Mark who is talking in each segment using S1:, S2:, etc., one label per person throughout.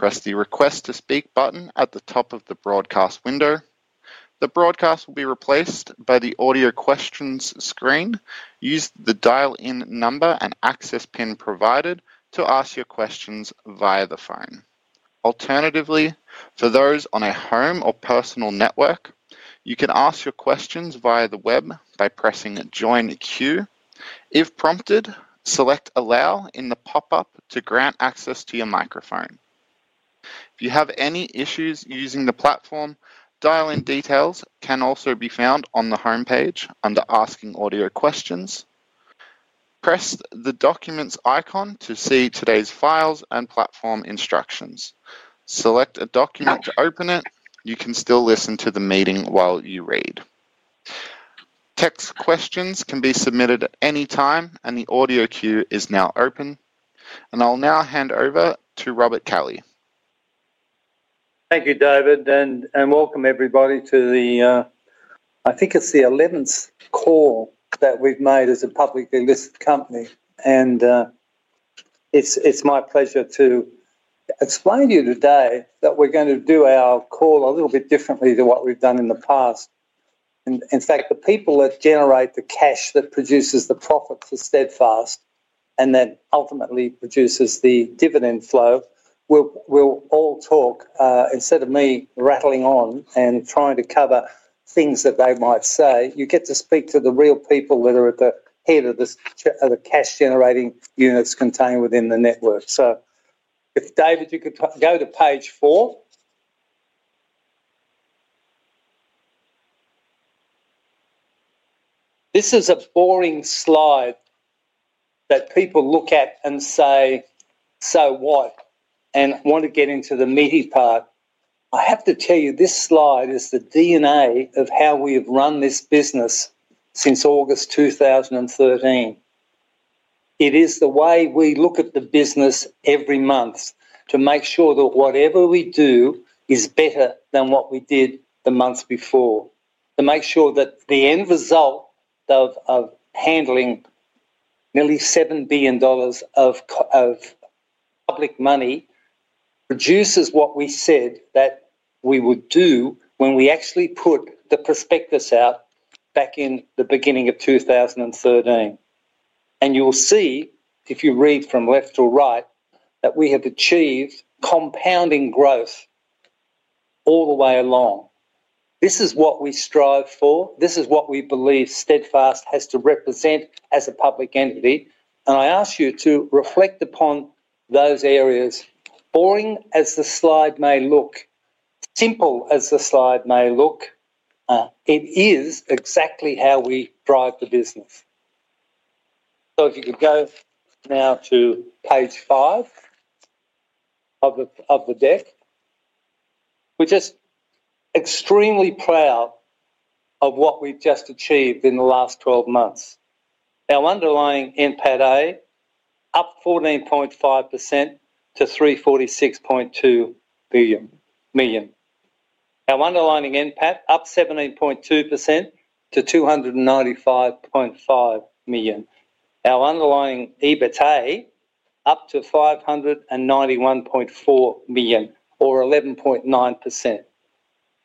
S1: Press the Request to Speak button at the top of the broadcast window. The broadcast will be replaced by the Audio Questions screen. Use the dial-in number and access pin provided to ask your questions via the phone. Alternatively, for those on a home or personal network, you can ask your questions via the web by pressing Join Queue. If prompted, select Allow in the pop-up to grant access to your microphone. If you have any issues using the platform, dial-in details can also be found on the homepage under Asking Audio Questions. Press the Documents icon to see today's files and platform instructions. Select a document to open it. You can still listen to the meeting while you read. Text questions can be submitted at any time, and the audio queue is now open. I'll now hand over to Robert Kelly.
S2: Thank you, David, and welcome everybody to the, I think it's the 11th call that we've made as a publicly listed company. It's my pleasure to explain to you today that we're going to do our call a little bit differently than what we've done in the past. In fact, the people that generate the cash that produces the profits at Steadfast, and then ultimately produces the dividend flow, we'll all talk. Instead of me rattling on and trying to cover things that they might say, you get to speak to the real people that are at the head of the cash-generating units contained within the network. If David, you could go to page four. This is a boring slide that people look at and say, "So what?" I want to get into the meaty part. I have to tell you, this slide is the DNA of how we have run this business since August 2013. It is the way we look at the business every month to make sure that whatever we do is better than what we did the months before, to make sure that the end result of handling nearly $7 billion of public money produces what we said that we would do when we actually put the prospectus out back in the beginning of 2013. You'll see if you read from left to right, that we have achieved compounding growth all the way along. This is what we strive for. This is what we believe Steadfast has to represent as a public entity. I ask you to reflect upon those areas. Boring as the slide may look, simple as the slide may look, it is exactly how we drive the business. If you could go now to page five of the deck. We're just extremely proud of what we've just achieved in the last 12 months. Our underlying NPATA, up 14.5% to $346.2 million. Our underlying NPAT, up 17.2% to $295.5 million. Our underlying EBITDA, up to $591.4 million or 11.9%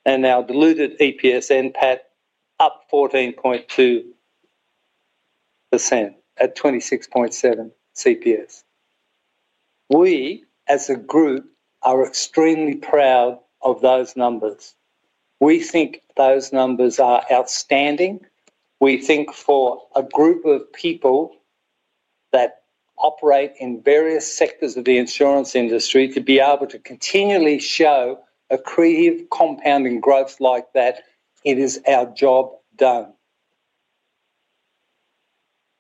S2: and our diluted EPS NPAT, up 14.2% at 26.7 CPS. We as a group, are extremely proud of those numbers. We think those numbers are outstanding. We think for a group of people that operate in various sectors of the insurance industry, to be able to continually show accretive compounding growth like that, it is our job done.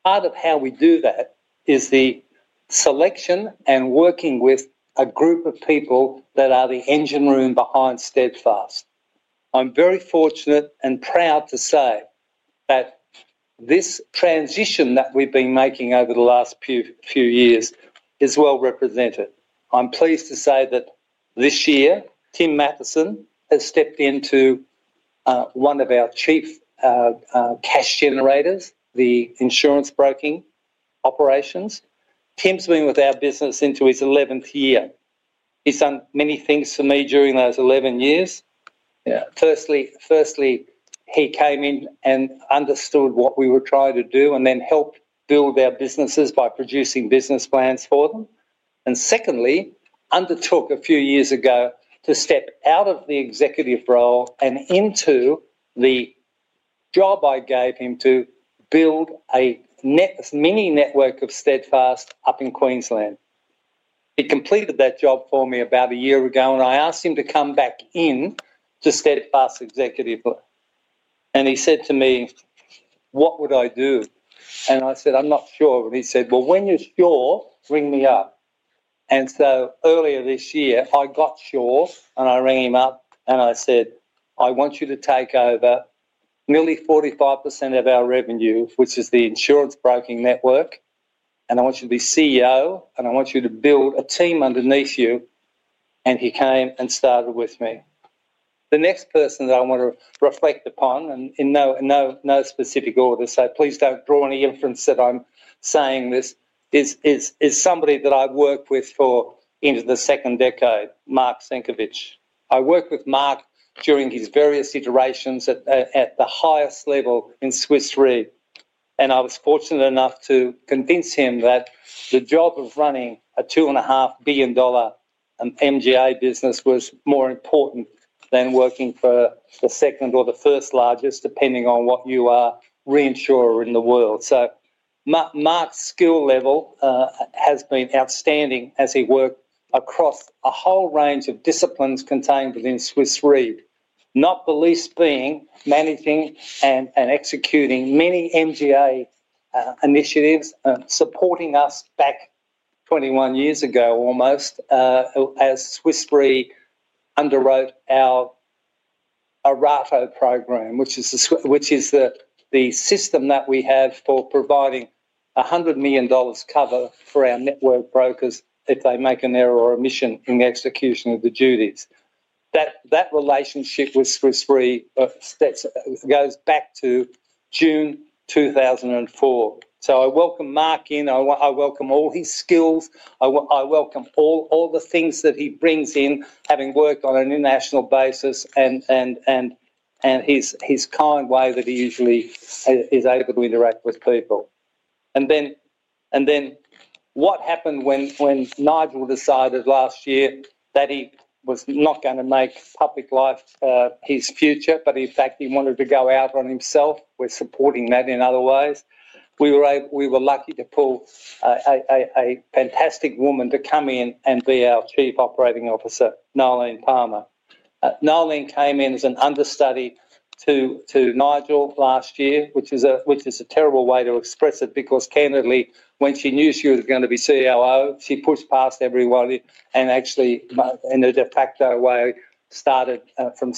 S2: Part of how we do that is the selection, and working with a group of people that are the engine room behind Steadfast. I'm very fortunate and proud to say that this transition that we've been making over the last few years is well represented. I'm pleased to say that this year Tim Matheson has stepped into one of our chief cash generators, the insurance broking operations. Tim's been with our business into his 11th year. He's done many things for me during those 11 years. Firstly, he came in and understood what we were trying to do, and then helped build their businesses by producing business plans for them. Secondly, he undertook a few years ago, to step out of the executive role and into the job I gave him to build a mini network of Steadfast up in Queensland. He completed that job for me about a year ago, and I asked him to come back in to Steadfast Executive and he said to me, "What would I do?" I said, "I'm not sure." He said, "Well, when you're sure, ring me up." Earlier this year, I got sure and I rang him up and I said, "I want you to take over nearly 45% of our revenue, which is the insurance broking network, and I want you to be CEO and I want you to build a team underneath you." He came and started with me. The next person that I want to reflect upon, and in no specific order, so please don't draw any inference that I'm saying this, is somebody that I've worked with for, into the second decade, Mark Senkevics. I worked with Mark during his various iterations at the highest level in Swiss Re. I was fortunate enough to convince him that the job of running a $2.5 billion MGA business was more important than working for the second or the first largest, depending on what you are, reinsurer in the world. Mark's skill level has been outstanding as he worked across a whole range of disciplines contained within Swiss Re, not the least being managing and executing many MGA initiatives, supporting us back 21 years ago almost, as Swiss Re underwrote our ERATO program, which is the system that we have for providing $100 million cover for our network brokers if they make an error or omission in the execution of the duties. That relationship with Swiss Re goes back to June 2004. I welcome Mark in. I welcome all his skills. I welcome all the things that he brings in, having worked on an international basis and his kind way that he usually is able to interact with people. What when Nigel decided last year that he was not going to make public life his future, but in fact he wanted to go out on himself, we're supporting that in other ways. We were lucky to pull a fantastic woman to come in and be our Chief Operating Officer, Noelene Palmer. Noelene came in as an understudy to Nigel last year, which is a terrible way to express it because candidly, when she knew she was going to be COO, she pushed past everyone and actually in a de facto way, started from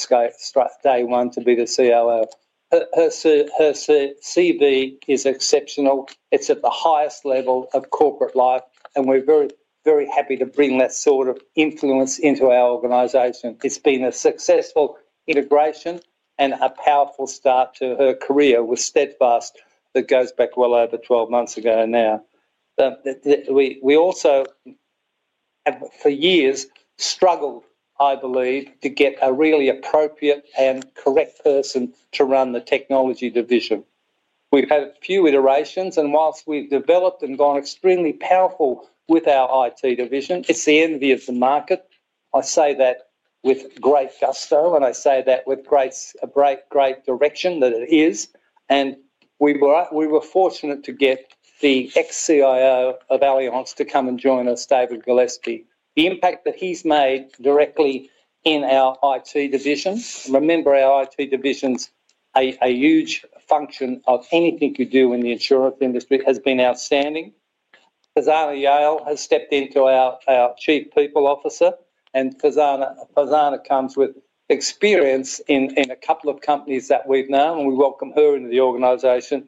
S2: day one to be the COO. Her CV is exceptional. It's at the highest level of corporate life, and we're very, very happy to bring that sort of influence into our organization. It's been a successful integration, and a powerful start to her career with Steadfast that goes back well over 12 months ago now. We also have for years struggled, I believe to get a really appropriate and correct person to run the technology division. We've had a few iterations, and whilst we've developed and gone extremely powerful with our IT division, it's the envy of the market. I say that with great gusto, and I say that with great, great direction that it is. We were fortunate to get the ex-CIO of Allianz to come and join us, David Gillespie. The impact that he's made directly in our IT division, remember our IT division is a huge function of anything you do in the insurance industry, has been outstanding. Ferzana Yale has stepped into our Chief People Officer. Ferzana comes with experience in a couple of companies that we've known, and we welcome her into the organization.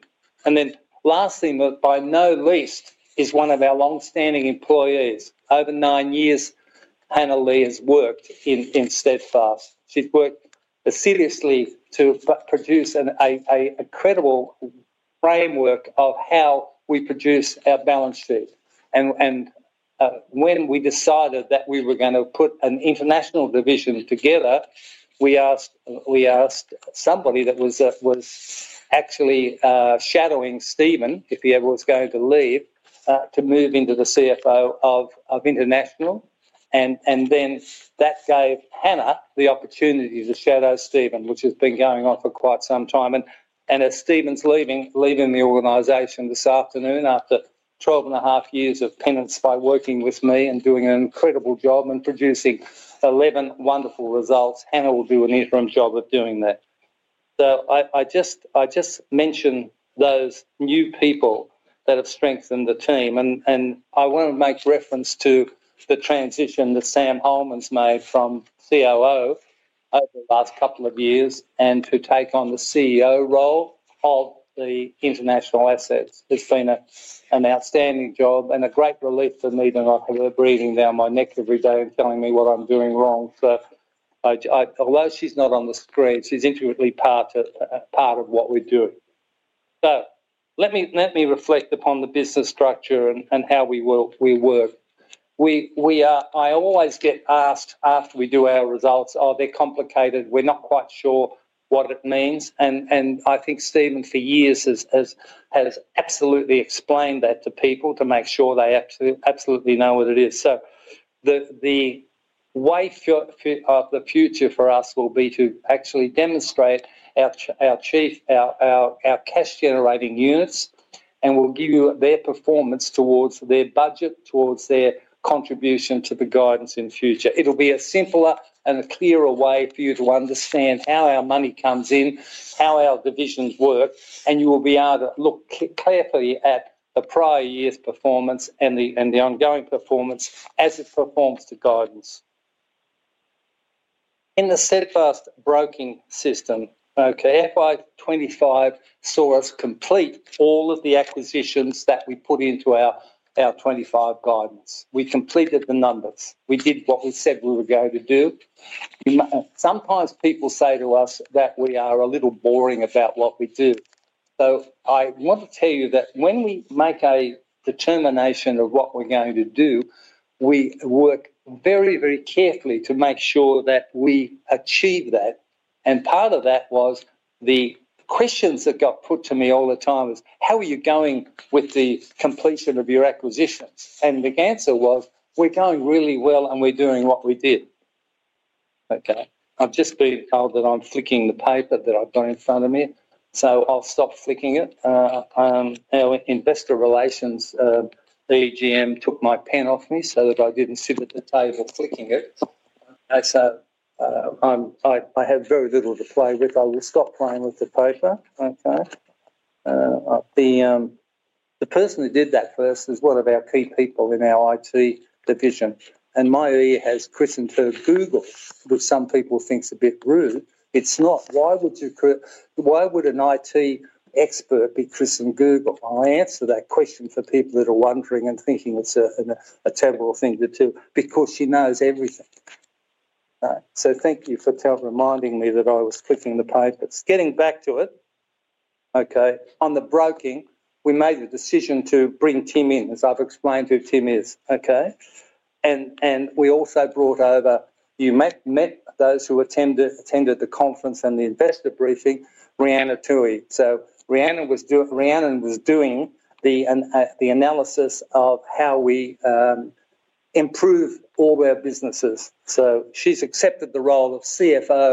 S2: Lastly, but by no means least, is one of our long-standing employees. Over nine years, Hannah Lee has worked in Steadfast. She'd work assiduously to produce a credible framework of how we produce our balance sheet. When we decided that we were going to put an international division together, we asked somebody that was actually shadowing Stephen, if he ever was going to leave, to move into the CFO of International. That gave Hannah the opportunity to shadow Stephen, which has been going on for quite some time. As Stephen's leaving the organization this afternoon, after 12 and a half years of penance by working with me and doing an incredible job, and producing 11 wonderful results, Hannah will do an interim job of doing that. I just mention those new people that have strengthened the team. I want to make reference to the transition that Samantha Hollman's made from COO over the last couple of years, and to take on the CEO role of the international assets. It's been an outstanding job, and a great relief for me to not have her breathing down my neck every day and telling me what I'm doing wrong. Although she's not on the screen, she's intimately part of what we do. Let me reflect upon the business structure and how we work. I always get asked after we do our results, "Oh, they're complicated. We're not quite sure what it means." I think Stephen for years has absolutely explained that to people, to make sure they absolutely know what it is. The way of the future for us will be to actually demonstrate our cash generating units, and we'll give you their performance towards their budget, towards their contribution to the guidance. In future, it'll be a simpler and a clearer way for you to understand how our money comes in, how our divisions work, and you will be able to look carefully at the prior year's performance and the ongoing performance as it performs to guidance. In the Steadfast broking system, FY 2025 saw us complete all of the acquisitions that we put into our FY 2025 guidance. We completed the numbers, we did what we said we were going to do. Sometimes people say to us that we are a little boring about what we do. I want to tell you that when we make a determination of what we're going to do, we work very, very carefully to make sure that we achieve that. Part of that was, the questions that got put to me all the time is, how are you going with the completion of your acquisitions? The answer was, we're going really well and we're doing what we did. I've just been told that I'm flicking the paper that I've got in front of me, so I'll stop flicking it. Our investor relations AGM took my pen off of me, so that I didn't sit at the table flicking it. I have very little to play with. I will stop playing with the paper, like that. The person who did that first is one of our key people in our IT division. has christened her Google, which some people think is a bit rude. It's not. Why would an IT expert be christened Google? I answer that question for people that are wondering and thinking it's a terrible thing to do, because she knows everything. Thank you for reminding me that I was flicking the page, but just getting back to it, on the broking, we made the decision to bring Tim in, as I've explained who Tim is. We also brought over, you met those who attended the conference and the investor briefing, Rhiannon Toohey. Rhiannon was doing the analysis of how we improve all our businesses. She’s accepted the role of CFO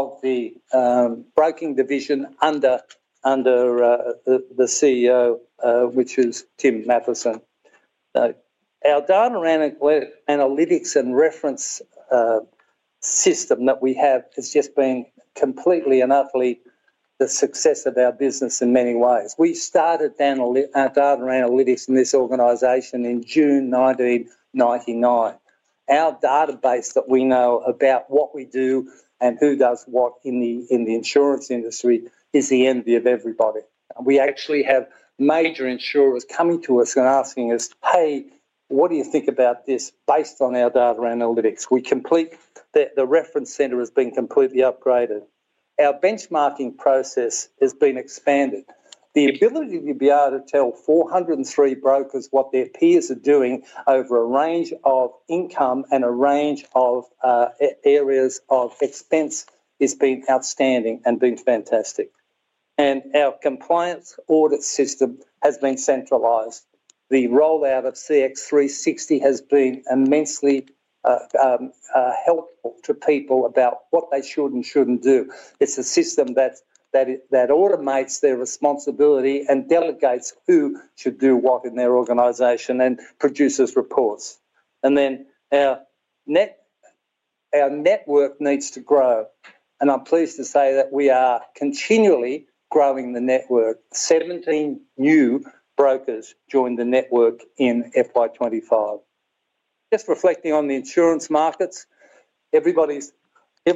S2: of the broking division under the CEO, which is Tim Matheson. Our data analytics and reference system that we have, has just been completely and utterly the success of our business in many ways. We started data analytics in this organization in June 1999. Our database, that we know about what we do and who does what in the insurance industry is the envy of everybody. We actually have major insurers coming to us and asking us, "Hey, what do you think about this based on our data analytics?" The reference center has been completely upgraded. Our benchmarking process has been expanded. The ability to be able to tell 403 brokers what their peers are doing over a range of income and a range of areas of expense, has been outstanding and been fantastic. Our compliance audit system has been centralized. The rollout of CX360 has been immensely helpful to people about what they should and shouldn't do. It's a system that automates their responsibility and delegates who should do what in their organization, and produces reports. Our network needs to grow, and I’m pleased to say that we are continually growing the network. 17 new brokers joined the network in FY 2025. Just reflecting on the insurance markets,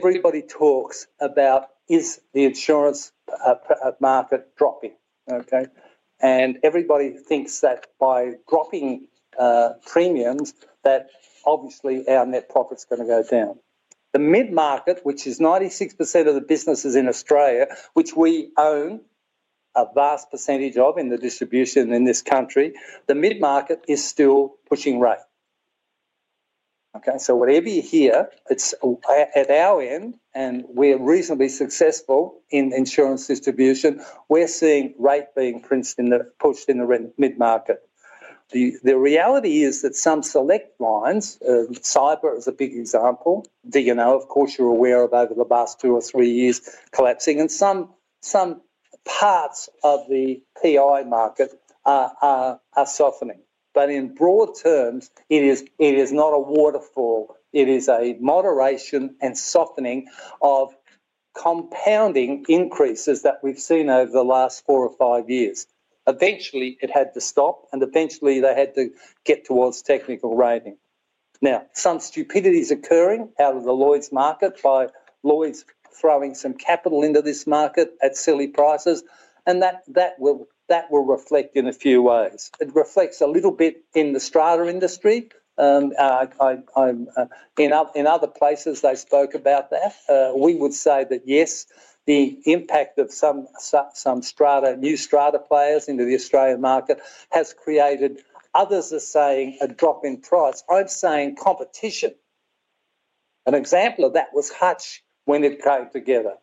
S2: everybody talks about, is the insurance market dropping? Everybody thinks that by dropping premiums, that obviously our net profit is going to go down. The mid market, which is 96% of the businesses in Australia, which we own a vast percentage of in the distribution in this country, the mid market is still pushing rate. Whatever you hear, it's at our end and we're reasonably successful in insurance distribution. We're seeing rate being pushed in the mid market. The reality is that some select lines, cyber is a big example, D&O, of course you’re aware of over the last two or three years collapsing, and some parts of the PI market are softening. In broad terms, it is not a waterfall. It is a moderation and softening of compounding increases that we've seen over the last four or five years. Eventually, it had to stop and eventually they had to get towards technical rating. Now, some stupidity is occurring out of the Lloyd’s market, by Lloyd’s throwing some capital into this market at silly prices. That will reflect in a few ways. It reflects a little bit in the strata industry. In other places they spoke about that, we would say that, yes, the impact of some new strata players into the Australian market has created, others are saying a drop in price, I'm saying competition. An example of that was Hutch, when it came together.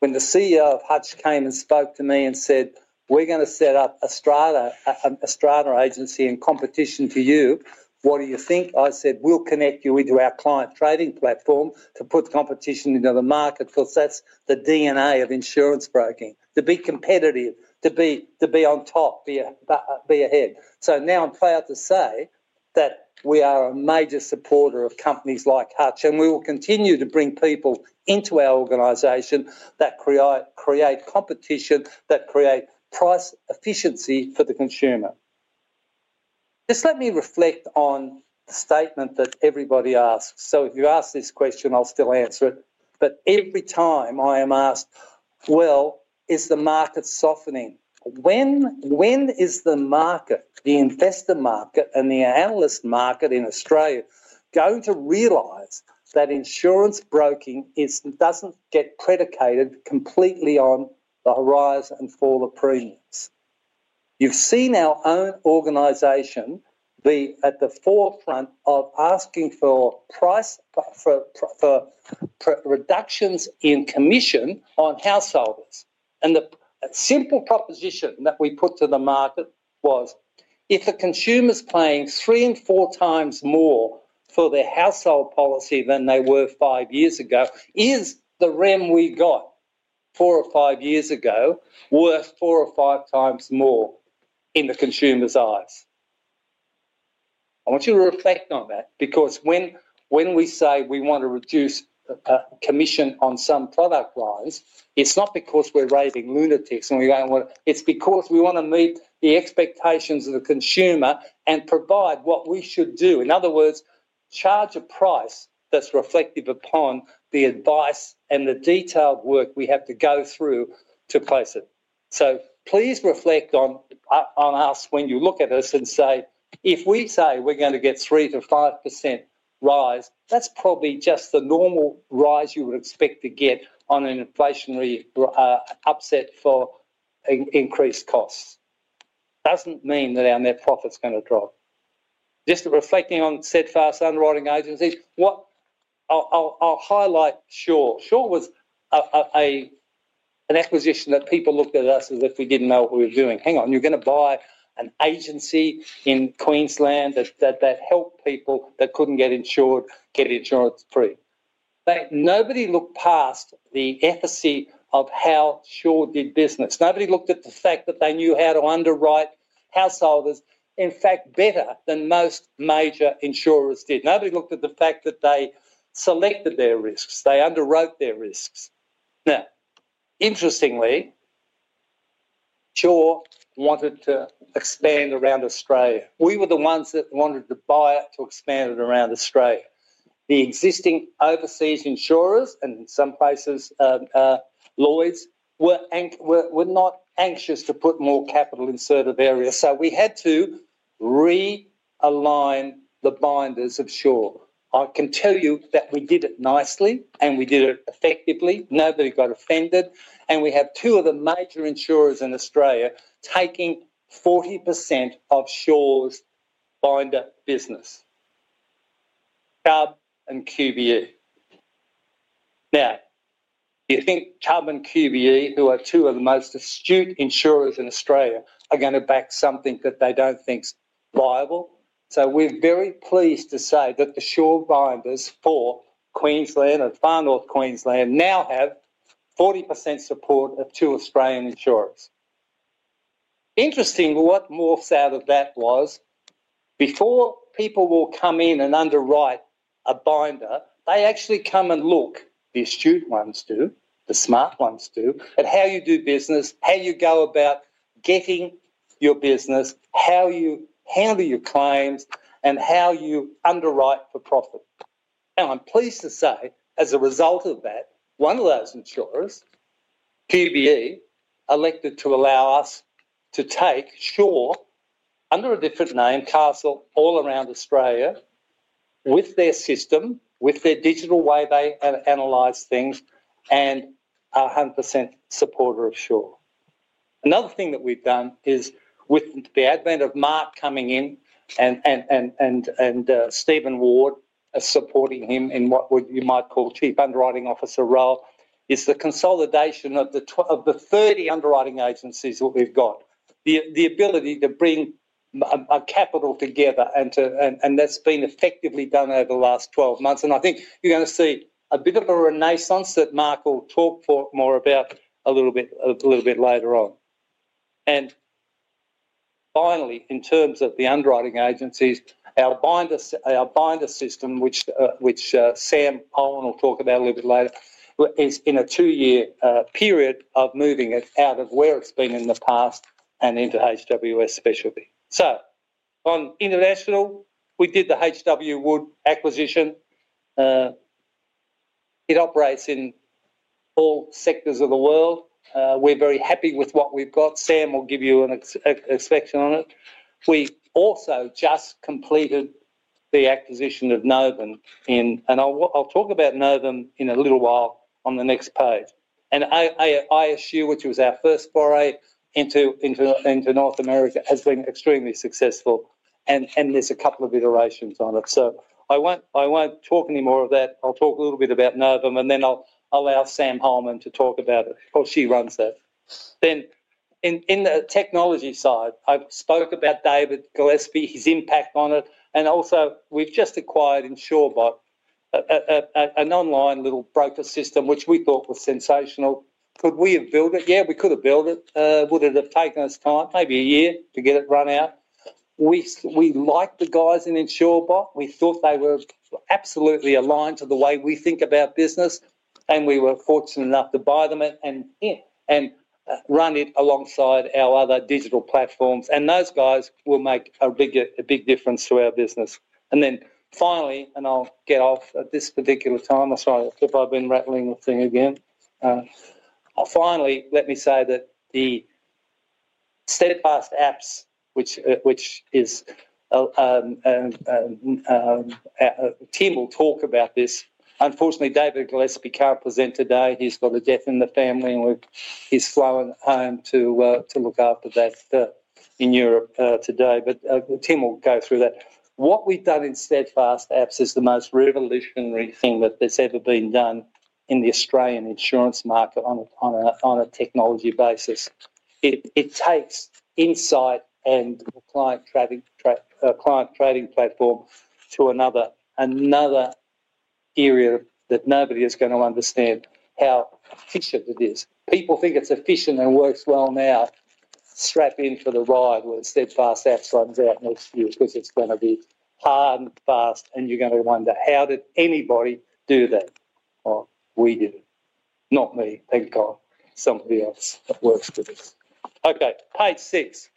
S2: When the CEO of Hutch came and spoke to me and said, "We're going to set up a strata agency in competition to you, what do you think?" I said, "We'll connect you into our client trading platform to put competition into the market, because that's the DNA of insurance broking. To be competitive, to be on top, be ahead." Now I'm proud to say that we are a major supporter of companies like Hutch, and we will continue to bring people into our organization that create competition, that create price efficiency for the consumer. Just let me reflect on a statement that everybody asks. If you ask this question, I'll still answer it, but every time I am asked, "Well, is the market softening?" When is the investor market and the analyst market in Australia going to realize that insurance broking doesn't get predicated completely on the horizon fall of premiums? You've seen our own organization be at the forefront of asking for reductions in commission on households. The simple proposition that we put to the market was, if a consumer's paying three and four times more for their household policy than they were five years ago, is the rem we got four or five years ago worth four or five times more in the consumer's eyes? I want you to reflect on that because when we say we want to reduce the commission on some product lines, it's not because we're raising lunatic. It's because we want to meet the expectations of the consumer and provide what we should do. In other words, charge a price that's reflective upon the advice and the detailed work we have to go through to place it. Please reflect on us when you look at us and say, if we say we're going to get 3%-5% rise, that's probably just the normal rise you would expect to get on an inflationary upset for increased costs. It doesn't mean that our net profit's going to drop. Just reflecting on Steadfast underwriting agencies, I'll highlight Sure. Sure was an acquisition that people looked at us as if we didn't know what we were doing. "Hang on, you're going to buy an agency in Queensland that helped people that couldn't get insured get insurance free?" Nobody looked past the efficacy of how Sure did business. Nobody looked at the fact that they knew how to underwrite householders in fact better than most major insurers did. Nobody looked at the fact that they selected their risks, they underwrote their risks. Now, interestingly, Sure wanted to expand around Australia. We were the ones that wanted to buy it, to expand it around Australia. The existing overseas insurers and in some places, Lloyd's were not anxious to put more capital in certain areas. We had to realign the binders of Sure. I can tell you that we did it nicely and we did it effectively. Nobody got offended. We have two of the major insurers in Australia taking 40% of Sure's binder business, CUFG and QBE. Now, you think CUFG and QBE, who are two of the most astute insurers in Australia, are going to back something that they don't think is viable? We're very pleased to say that the Sure binders for Queensland and far north Queensland now have 40% support of two Australian insurers. Interesting. What morphs out of that was, before people will come in and underwrite a binder, they actually come and look, the astute ones do, the smart ones do, and how you do business, how you go about getting your business, how you handle your claims and how you underwrite for profit. I'm pleased to say, as a result of that, one of those insurers, QBE, elected to allow us to take Sure under a different name, Castle, all around Australia, with their system, with their digital way they analyze things and 100% supporter of Sure. Another thing that we've done is, with the advent of Mark coming in and Stephen Ward supporting him in what you might call Chief Underwriting Officer role, is the consolidation of the 30 underwriting agencies that we've got. The ability to bring capital together. That's been effectively done over the last 12 months. I think you're going to see a bit of a renaissance that Mark will talk more about a little bit later on. Finally, in terms of the underwriting agencies, our binder system, which Sam Holland will talk about a little bit later, is in a two-year period of moving it out of where it's been in the past and into HWS specialty. On international, we did the H.W. Wood acquisition. It operates in all sectors of the world. We're very happy with what we've got. Sam will give you a section on it. We also just completed the acquisition of Novum. I'll talk about Novum in a little while on the next page. ISU, which was our first foray into North America, has been extremely successful and there's a couple of iterations on it. I won't talk any more of that. I'll talk a little bit about Novum, and then I'll allow Sam Hollman to talk about it. She runs that. In the technology side, I spoke about David Gillespie, his impact on it. Also, we've just acquired Insurebot, an online little broker system which we thought was sensational. Could we have built it? Yeah, we could have built it. Would it have taken us time? Maybe a year to get it running? We liked the guys in Insurebot. We thought they were absolutely aligned to the way we think about business, and we were fortunate enough to buy them and run it alongside our other digital platforms. Those guys will make a big difference to our business. Finally, I'll get off at this particular time, I'm sorry if I've been rattling the thing again. Finally, let me say that the Steadfast Apps, which Tim will talk about, unfortunately David Gillespie can't present today. He's got a death in the family, and he's flown home to look after that in Europe today. Tim will go through that. What we've done in Steadfast Apps is the most revolutionary thing that has ever been done in the Australian insurance market on a technology basis. It takes INSIGHT and Client Trading Platform to another area that nobody is going to understand how efficient it is. People think it's efficient and works well now. Strap in for the ride when Steadfast Apps runs up because it's going to be hard and fast, and you're going to wonder, "How did anybody do that?" Well, we did it. Not me, thank God, somebody else that works with us. Okay, page six.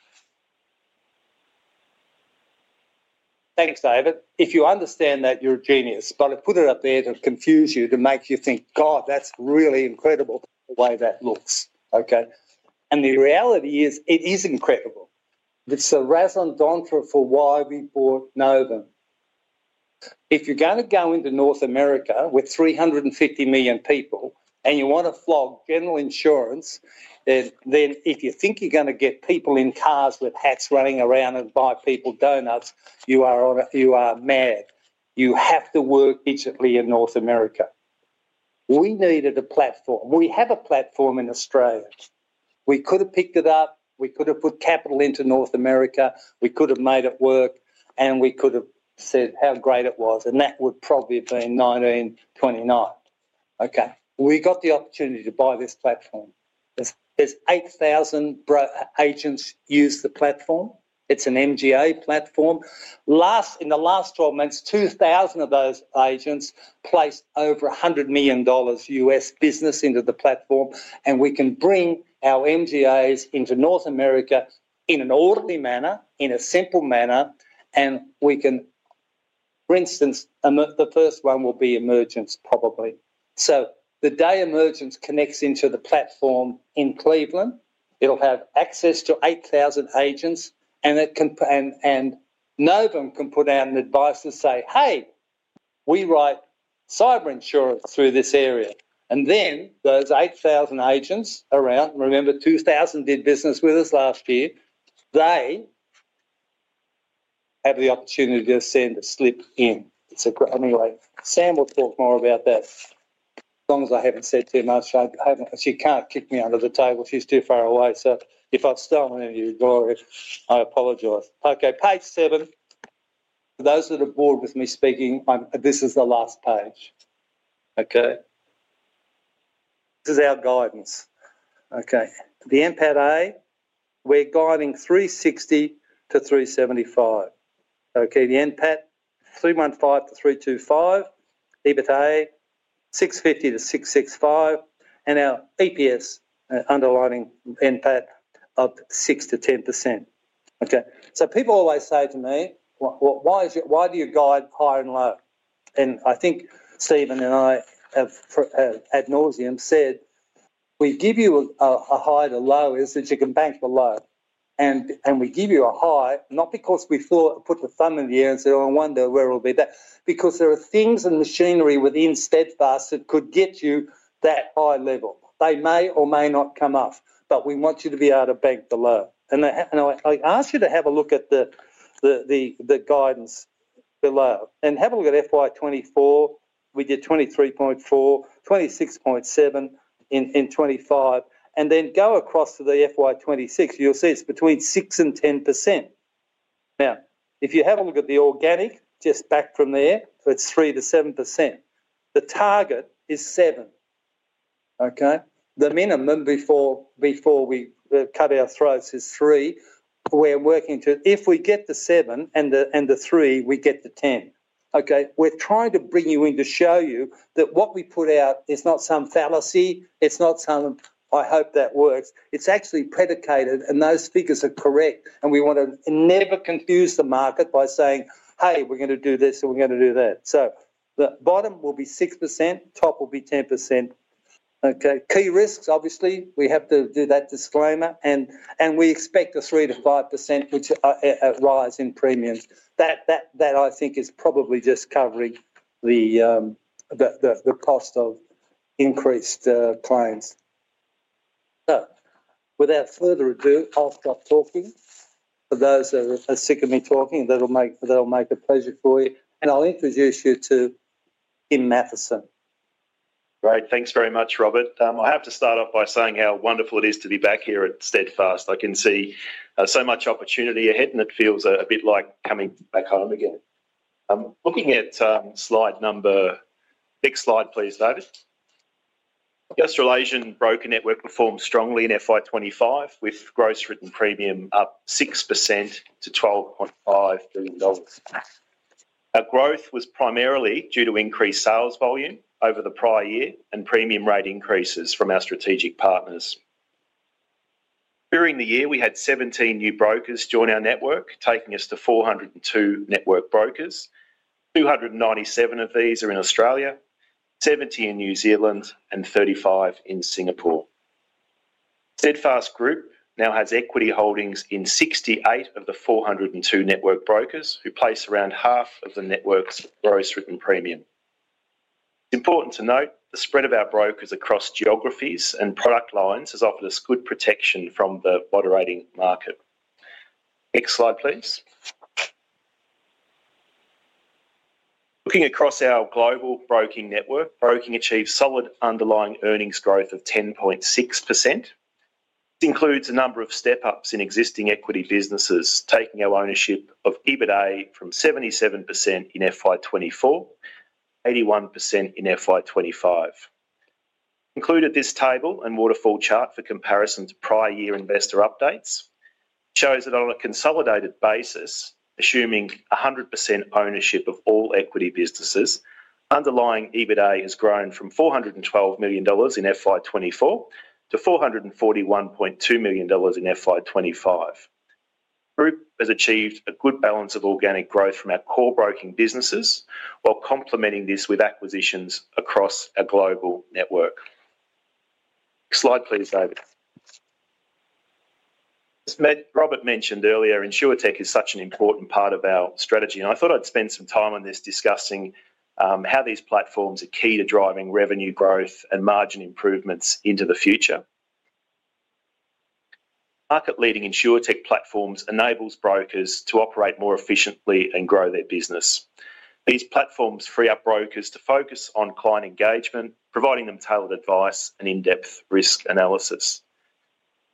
S2: Thanks, David. If you understand that, you're a genius. I put it up there to confuse you, to make you think, "God, that's really incredible the way that looks." The reality is, it is incredible. It's a raison d'être for why we bought Novum. If you're going to go into North America with 350 million people and you want to flog general insurance, if you think you're going to get people in cars with hats running around and buying people donuts, you are mad. You have to work digitally in North America. We needed a platform. We have a platform in Australia. We could have picked it up. We could have put capital into North America. We could have made it work, we could have said how great it was. That would probably have been 1929. Okay, we got the opportunity to buy this platform. 8,000 agents use the platform. It's an MGA platform. In the last 12 months, 2,000 of those agents placed over $100 million U.S. business into the platform. We can bring our MGAs into North America in an orderly manner, in a simple manner. For instance, the first one will be Emergence, probably. The day Emergence connects into the platform in Cleveland, it'll have access to 8,000 agents. Novum can put out an advice and say, "Hey, we write cyber insurance through this area," and then those 8,000 agents around, remember 2,000 did business with us last year, they have the opportunity to just send a slip in. It's a great way. Sam will talk more about that, as long as I haven't said too much. She can't kick me under the table. She's too far away. If I've stolen, don't worry, I apologize. Okay, page seven. For those that are bored with me speaking, this is the last page. This is our guidance. The NPATA, we're guiding 360-375. The NPAT, 315-325. EBITDA, 650-665. Our EPS underlining NPAT of 6%-10%. People always say to me, "Why do you guide high and low?" I think Stephen and I have ad nauseam said, "We give you a high to low, is that you can bank below. We give you a high not because we thought, put the thumb in the air and say, oh, I wonder where it'll be." There are things and machinery within Steadfast that could get you that high level. They may or may not come off, but we want you to be able to bank below. I ask you to have a look at the guidance below, and have a look at FY24, we did 23.4, 26.7 in 2025. Go across to the FY 2026, you'll see it's between 6% and 10%. If you have a look at the organic, just back from there, it's 3%-7%. The target is 7%. The minimum before we cut our throats is 3%. We're working to, if we get the 7% and the 3%, we get the 10%. We're trying to bring you in to show you that what we put out is not some fallacy, it's not some, I hope that works. It's actually predicated and those figures are correct. We want to never confuse the market by saying, "Hey, we're going to do this and we're going to do that." The bottom will be 6%, top will be 10%. Key risks, obviously we have to do that disclaimer and we expect a 3%-5% which rise in premiums. That I think is probably just covering the cost of increased claims. Without further ado, I'll stop talking. For those that are sick of me talking, that'll make a pleasure for you and I'll introduce you to Tim Mathieson.
S3: Great. Thanks very much, Robert. I have to start off by saying how wonderful it is to be back here at Steadfast. I can see so much opportunity ahead, and it feels a bit like coming back home again. Next slide please, David. The Australasian broker network performed strongly in FY 2025, with gross written premium up 6% to $12.5 billion. Our growth was primarily due to increased sales volume over the prior year, and premium rate increases from our strategic partners. During the year, we had 17 new brokers join our network, taking us to 402 network brokers. 297 of these are in Australia, 70 in New Zealand, and 35 in Singapore. Steadfast Group now has equity holdings in 68 of the 402 network brokers who place around half of the network's gross written premium. It's important to note, the spread of our brokers across geographies and product lines has offered us good protection from the moderating market. Next slide, please. Looking across our global broking network, broking achieved solid underlying earnings growth of 10.6%. Includes a number of step-ups in existing equity businesses, taking our ownership of EBITA from 77% in FY 2024 to 81% in FY 2025. Included in this table and waterfall chart for comparison to prior year investor updates, shows that on a consolidated basis, assuming 100% ownership of all equity businesses, underlying EBITA has grown from $412 million in FY 2024 to $441.2 million in FY 2025. The group has achieved a good balance of organic growth from our core broking businesses, while complementing this with acquisitions across our global network. Next slide please, David. As Robert mentioned earlier, InsurTech is such an important part of our strategy and I thought I'd spend some time on this, discussing how these platforms are key to driving revenue growth and margin improvements into the future. Market-leading InsurTech platforms enables brokers to operate more efficiently and grow their business. These platforms free up brokers to focus on client engagement, providing them tailored advice and in-depth risk analysis.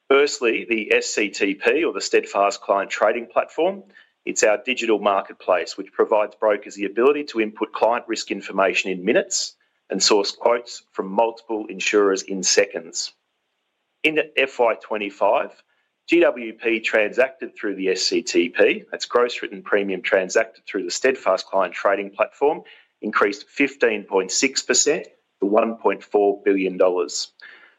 S3: Firstly, the SCTP or the Steadfast Client Trading Platform. It's our digital marketplace, which provides brokers the ability to input client risk information in minutes and source quotes from multiple insurers in seconds. In FY 2025, GWP transacted through the SCTP, its gross written premium transacted through the Steadfast Client Trading Platform, increased 15.6% to $1.4 billion.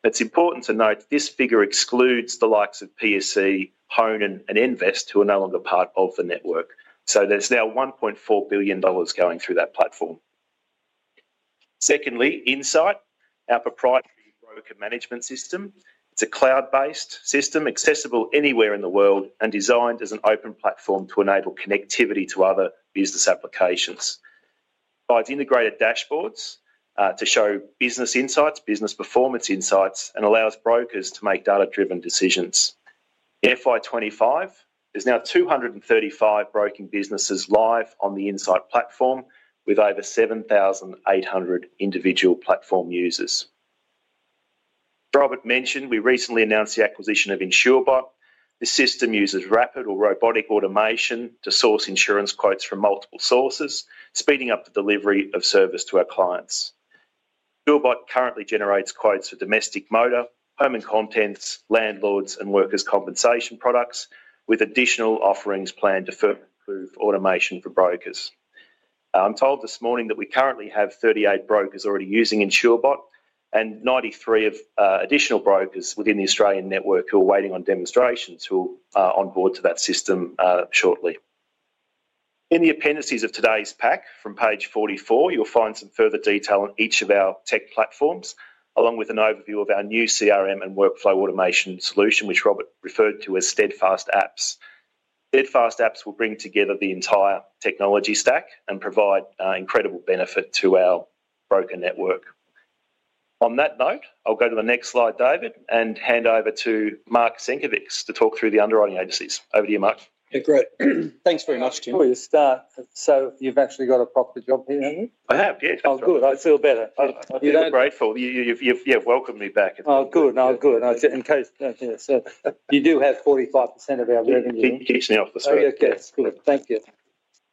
S3: It's important to note, this figure excludes the likes of PSE, Honan, and Invest, who are no longer part of the network, so there's now $1.4 billion going through that platform. Secondly, Insight, our proprietary broker management system. It's a cloud-based system accessible anywhere in the world, and designed as an open platform to enable connectivity to other business applications. It provides integrated dashboards to show business insights, business performance insights, and allows brokers to make data-driven decisions. FY 2025 is now 235 broking businesses live on the Insight platform, with over 7,800 individual platform users. Robert mentioned, we recently announced the acquisition of Insurebot. The system uses rapid or robotic automation to source insurance quotes from multiple sources, speeding up the delivery of service to our clients. Insurebot currently generates quotes for domestic motor, home and contents, landlords, and workers compensation products, with additional offerings planned to further improve automation for brokers. I'm told this morning that we currently have 38 brokers already using Insurebot, and 93 additional brokers within the Australian network who are waiting on demonstrations who are onboard to that system shortly. In the appendices of today's pack from page 44, you'll find some further detail on each of our tech platforms, along with an overview of our new CRM and workflow automation solution which Robert referred to as Steadfast Apps. Steadfast Apps will bring together the entire technology stack, and provide incredible benefit to our broker network. On that note, I'll go to the next slide, David, and hand over to Mark Senkevics to talk through the underwriting agencies. Over to you, Mark.
S2: Okay, good. Thanks very much, Tim. Before you start, you've actually got a proper job here?
S3: I have, yes.
S2: Oh, good. I feel better.
S3: I'm grateful you've welcomed me back here.
S2: Oh good. you do have 45% of our revenue. Thank you.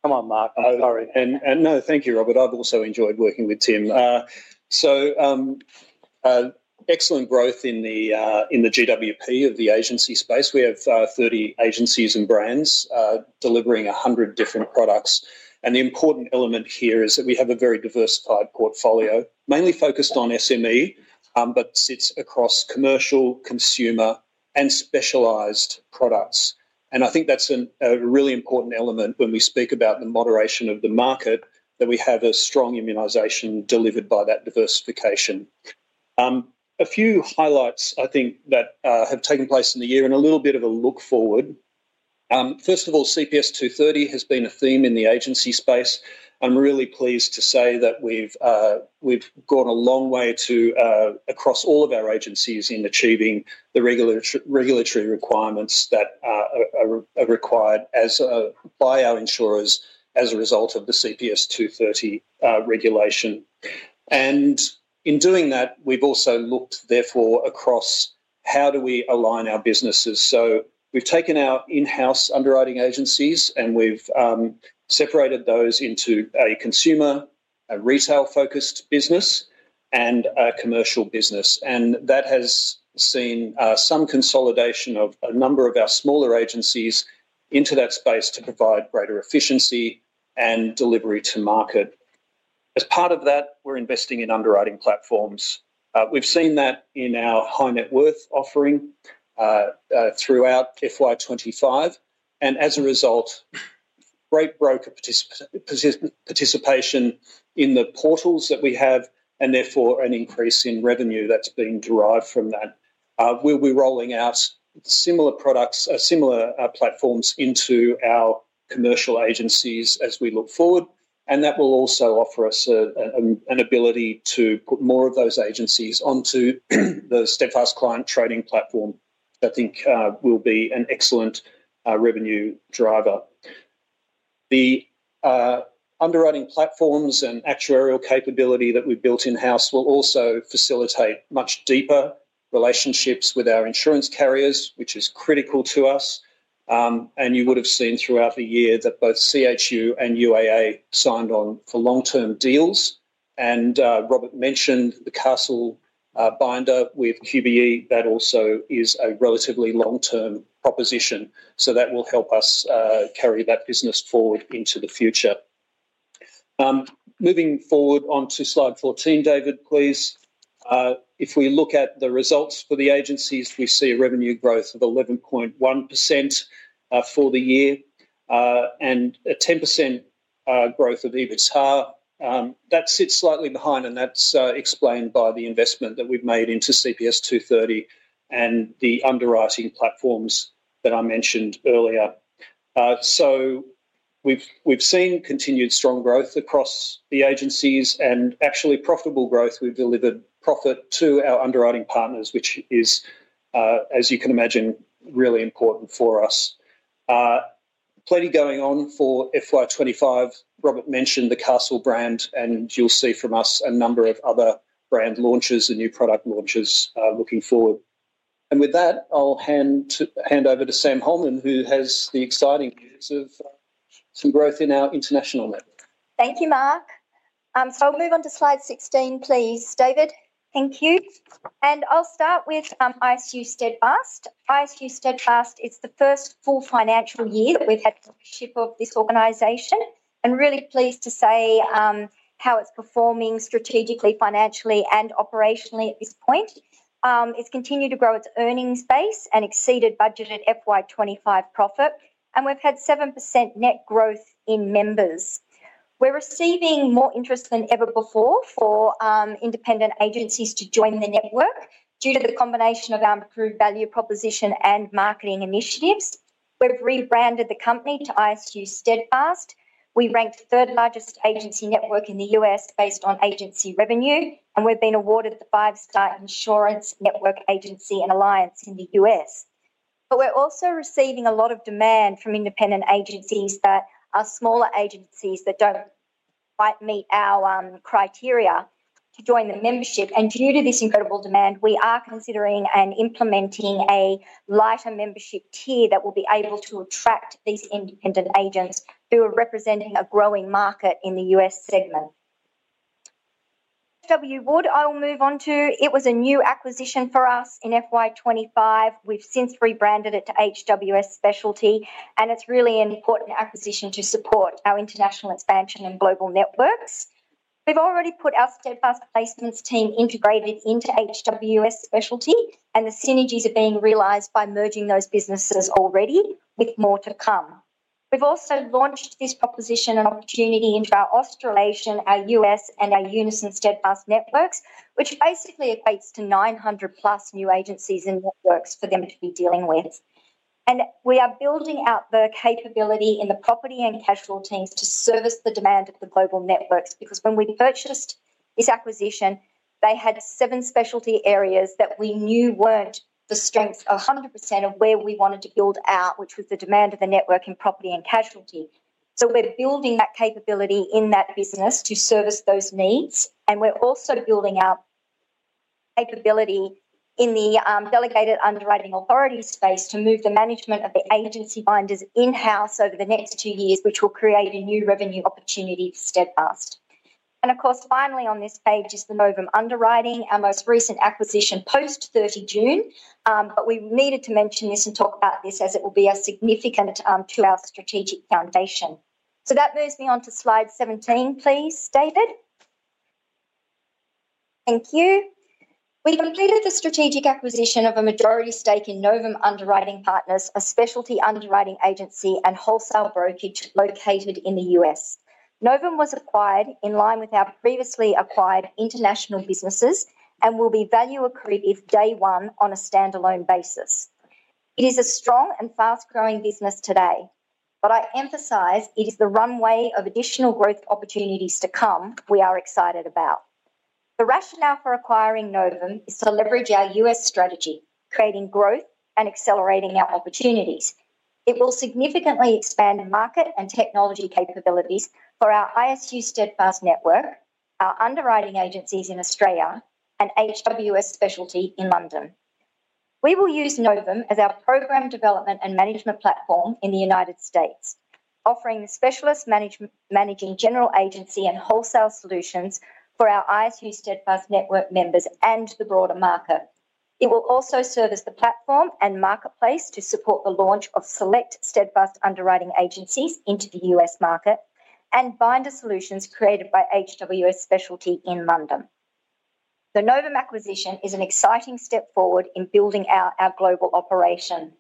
S2: Come on, Mark. I'm sorry.
S4: No, thank you, Robert. I've also enjoyed working with Tim. Excellent growth in the GWP of the agency space. We have 30 agencies and brands delivering 100 different products, and the important element here is that we have a very diversified portfolio mainly focused on SME, but it sits across commercial, consumer, and specialized products. I think that's a really important element when we speak about the moderation of the market, that we have a strong immunization delivered by that diversification. A few highlights I think that have taken place in the year and a little bit of a look forward. First of all, CPS 230 has been a theme in the agency space. I'm really pleased to say that we've gone a long way across all of our agencies, in achieving the regulatory requirements that are required by our insurers as a result of the CPS 230 regulation. In doing that, we've also looked therefore across, how do we align our businesses? We've taken our in-house underwriting agencies, and we've separated those into a consumer, a retail-focused business, and a commercial business. That has seen some consolidation of a number of our smaller agencies into that space, to provide greater efficiency and delivery to market. As part of that, we're investing in underwriting platforms. We've seen that in our high net worth offering throughout FY 2025, and as a result, great broker participation in the portals that we have, and therefore an increase in revenue that's being derived from that. We'll be rolling out similar platforms into our commercial agencies as we look forward, and that will also offer us an ability to put more of those agencies onto the Steadfast Client Trading Platform, which I think will be an excellent revenue driver. The underwriting platforms and actuarial capability that we've built in-house will also facilitate much deeper relationships with our insurance carriers, which is critical to us. You would have seen throughout the year, that both CHU and UAA signed on for long-term deals. Robert mentioned the Castle binder with QBE. That also is a relatively long-term deal proposition. That will help us carry that business forward into the future. Moving forward onto slide 14, David, please. If we look at the results for the agencies, we see a revenue growth of 11.1% for the year, and a 10% growth of EBITDA that sits slightly behind. That's explained by the investment that we've made into CPS 230 and the underwriting platforms that I mentioned earlier. We've seen continued strong growth across the agencies and actually profitable growth. We've delivered profit to our underwriting partners, which is, as you can imagine, really important for us. Plenty going on for FY 2025. Robert mentioned the Castle brand, and you'll see from us a number of other brand launches and new product launches looking forward. With that, I'll hand over to Sam Hollman who has the exciting years of some growth in our international network.
S5: Thank you, Mark. I'll move to slide 16 please, David. Thank you. I'll start with ISU Steadfast. ISU Steadfast, it's the first full financial year we've had ownership of this organization, and really pleased to say how it's performing strategically, financially, and operationally at this point, it's continued to grow its earnings base and exceeded budgeted FY 2025 profit, and we've had 7% net growth in members. We're receiving more interest than ever before for independent agencies to join the network, due to the combination of our improved value proposition and marketing initiatives. We've rebranded the company to ISU Steadfast. We ranked third largest agency network in the U.S. based on agency revenue, and we've been awarded the five-star Insurance Network agency and alliance in the U.S. We're also receiving a lot of demand from independent agencies that are smaller agencies that don't quite meet our criteria to join the membership. Due to this incredible demand, we are considering and implementing a lighter membership tier that will be able to attract these independent agents who are representing a growing market in the U.S. segment. H.W. Wood, I will move on to. It was a new acquisition for us in FY 2025. We've since rebranded it to HWS Specialty, and it's really an important acquisition to support our international expansion and global networks. We've already put our Steadfast placements team integrated into HWS Specialty, and the synergies are being realized by merging those businesses already, with more to come. We've also launched this proposition and opportunity in our Australasian, our U.S., and our UnisonSteadfast networks, which basically equates to 900+ new agencies and networks for them to be dealing with. We are building out the capability in the property and casualty teams to service the demand of the global networks. When we purchased this acquisition, they had seven specialty areas that we knew weren't the strengths 100% of where we wanted to build out, which was the demand of the network in property and casualty. We're building that capability in that business to service those needs. We're also building out capability in the delegated underwriting authority space to move the management of the agency binders in-house over the next two years, which will create a new revenue opportunity for Steadfast. Of course, finally, on this page is the Novum Underwriting, our most recent acquisition post 30 June. We needed to mention this and talk about this, as it will be significant to our strategic foundation. That moves me on to slide 17 please, David. Thank you. We completed the strategic acquisition of a majority stake in Novum Underwriting Partners, a specialty underwriting agency and wholesale brokerage located in the U.S. Novum was acquired in line with our previously acquired international businesses, and will be value accretive day one on a standalone basis. It is a strong and fast-growing business today, but I emphasize it is the runway of additional growth opportunities to come, we are excited about. The rationale for acquiring Novum is to leverage our U.S. strategy, creating growth and accelerating our opportunities. It will significantly expand market and technology capabilities for our ISU Steadfast Network, our underwriting agencies in Australia and HWS Specialty in London. We will use Novum as our program development and management platform in the U.S., offering the specialist managing general agency and wholesale solutions for our ISU Steadfast Network members and the broader market. It will also serve as the platform and marketplace to support the launch of select Steadfast underwriting agencies into the U.S. market, and binder solutions created by HWS Specialty in London. The Novum acquisition is an exciting step forward in building out our global operation.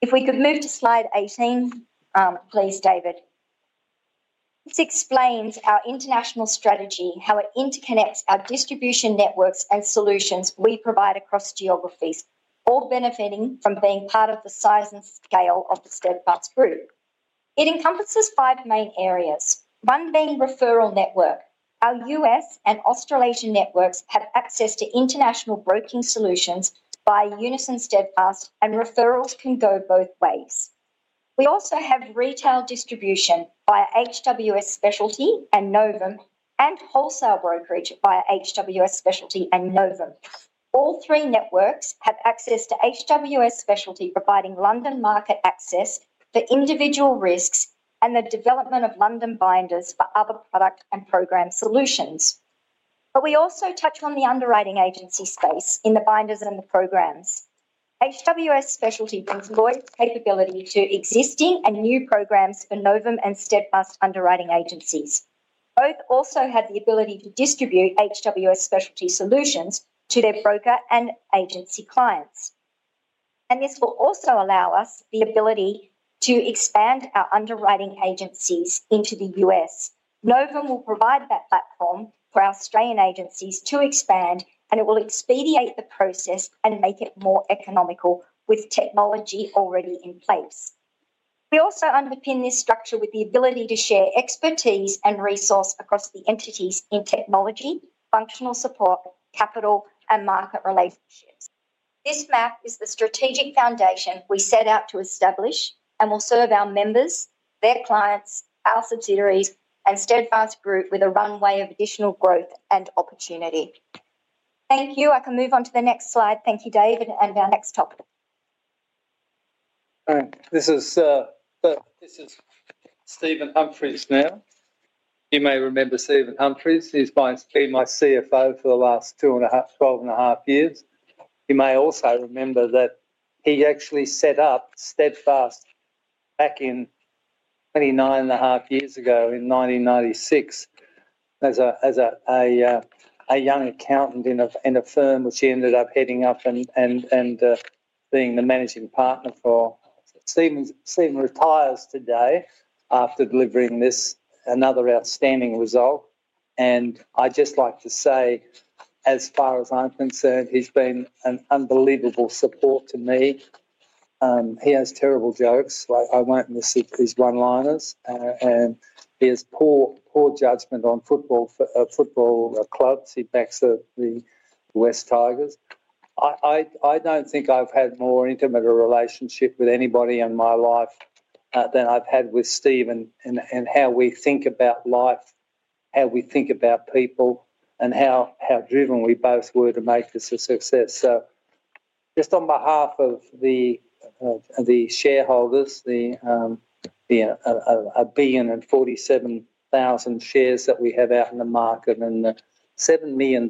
S5: If we could move to slide 18 please, David. This explains our international strategy, how it interconnects our distribution networks and solutions we provide across geographies, all benefiting from being part of the size and scale of the Steadfast Group. It encompasses five main areas, one being referral network. Our U.S. and Australasian networks have access to international broking solutions by UnisonSteadfast and referrals can go both ways. We also have retail distribution via HWS Specialty and Novum, and wholesale brokerage via HWS Specialty and Novum. All three networks have access to HWS Specialty, providing London market access for individual risks and the development of London binders for other product and program solutions. We also touch on the underwriting agency space in the binders and the programs. HWS Specialty provides capability to existing and new programs for Novum and Steadfast underwriting agencies. Both also have the ability to distribute HWS Specialty solutions to their broker and agency clients. This will also allow us the ability to expand our underwriting agencies into the U.S. Novum will provide that platform for Australian agencies to expand, and it will expedite the process and make it more economical with technology already in place. We also underpin this structure with the ability to share expertise and resource across the entities in technology, functional support, capital, and market relationships. This map is the strategic foundation we set out to establish and will serve our members, their clients, our subsidiaries, and Steadfast Group with a runway of additional growth and opportunity. Thank you. I can move on to the next slide. Thank you, David and to our next topic.
S2: This is Stephen Humphrys. Now, you may remember Stephen Humphrys. He's been my CFO for the last 12 and a half years. You may also remember that he actually set up Steadfast 29 and a half years ago in 1996 as a young accountant in a firm, which he ended up heading up and being the managing partner for. Stephen retires today, after delivering this, another outstanding result. I'd just like to say, as far as I'm concerned, he's been an unbelievable support to me. He has terrible jokes. I won't miss his one-liners and hi poor judgment on football clubs. He backs the Wests Tigers. I don't think I've had more intimate a relationship with anybody in my life than I've had with Steve and how we think about life, how we think about people, and how driven we both were to make this a success. Just on behalf of the shareholders, the 1 billion and 47,000 shares that we have out in the market and $7 billion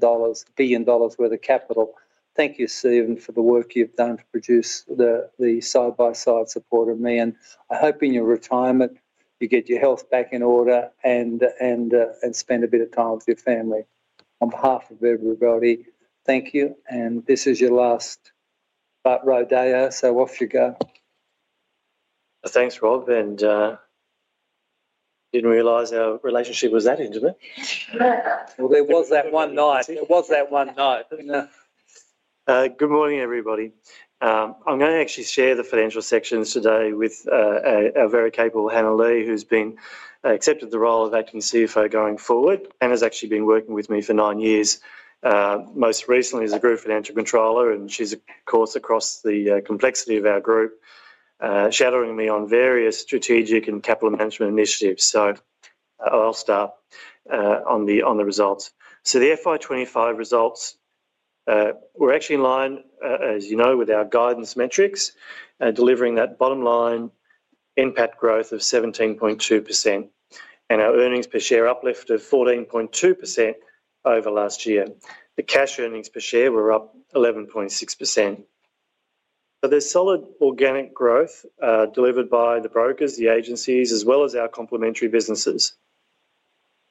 S2: worth of capital, thank you, Stephen for the work you've done to produce the side-by-side support of me. I hope in your retirement, you get your health back in order and spend a bit of time with your family. On behalf of everybody, thank you, and this is your last rodeo, so off you go.
S6: Thanks, Rob. I didn't realize our relationship was that intimate.
S2: It was that one night. It was that one night.
S6: Good morning, everybody. I'm going to actually share the financial section today with a very capable Hannah Lee, who's accepted the role of Acting CFO going forward. Hannah's actually been working with me for nine years, most recently as the Group Financial Controller. She's across the complexity of our group, shadowing me on various strategic and capital management initiatives. I'll start on the results. The FY 2025 results were actually in line, as you know, with our guidance metrics, delivering that bottom-line NPAT growth of 17.2% and our earnings per share uplift of 14.2% over last year. The cash earnings per share were up 11.6%. There's solid organic growth delivered by the brokers, the agencies, as well as our complementary businesses.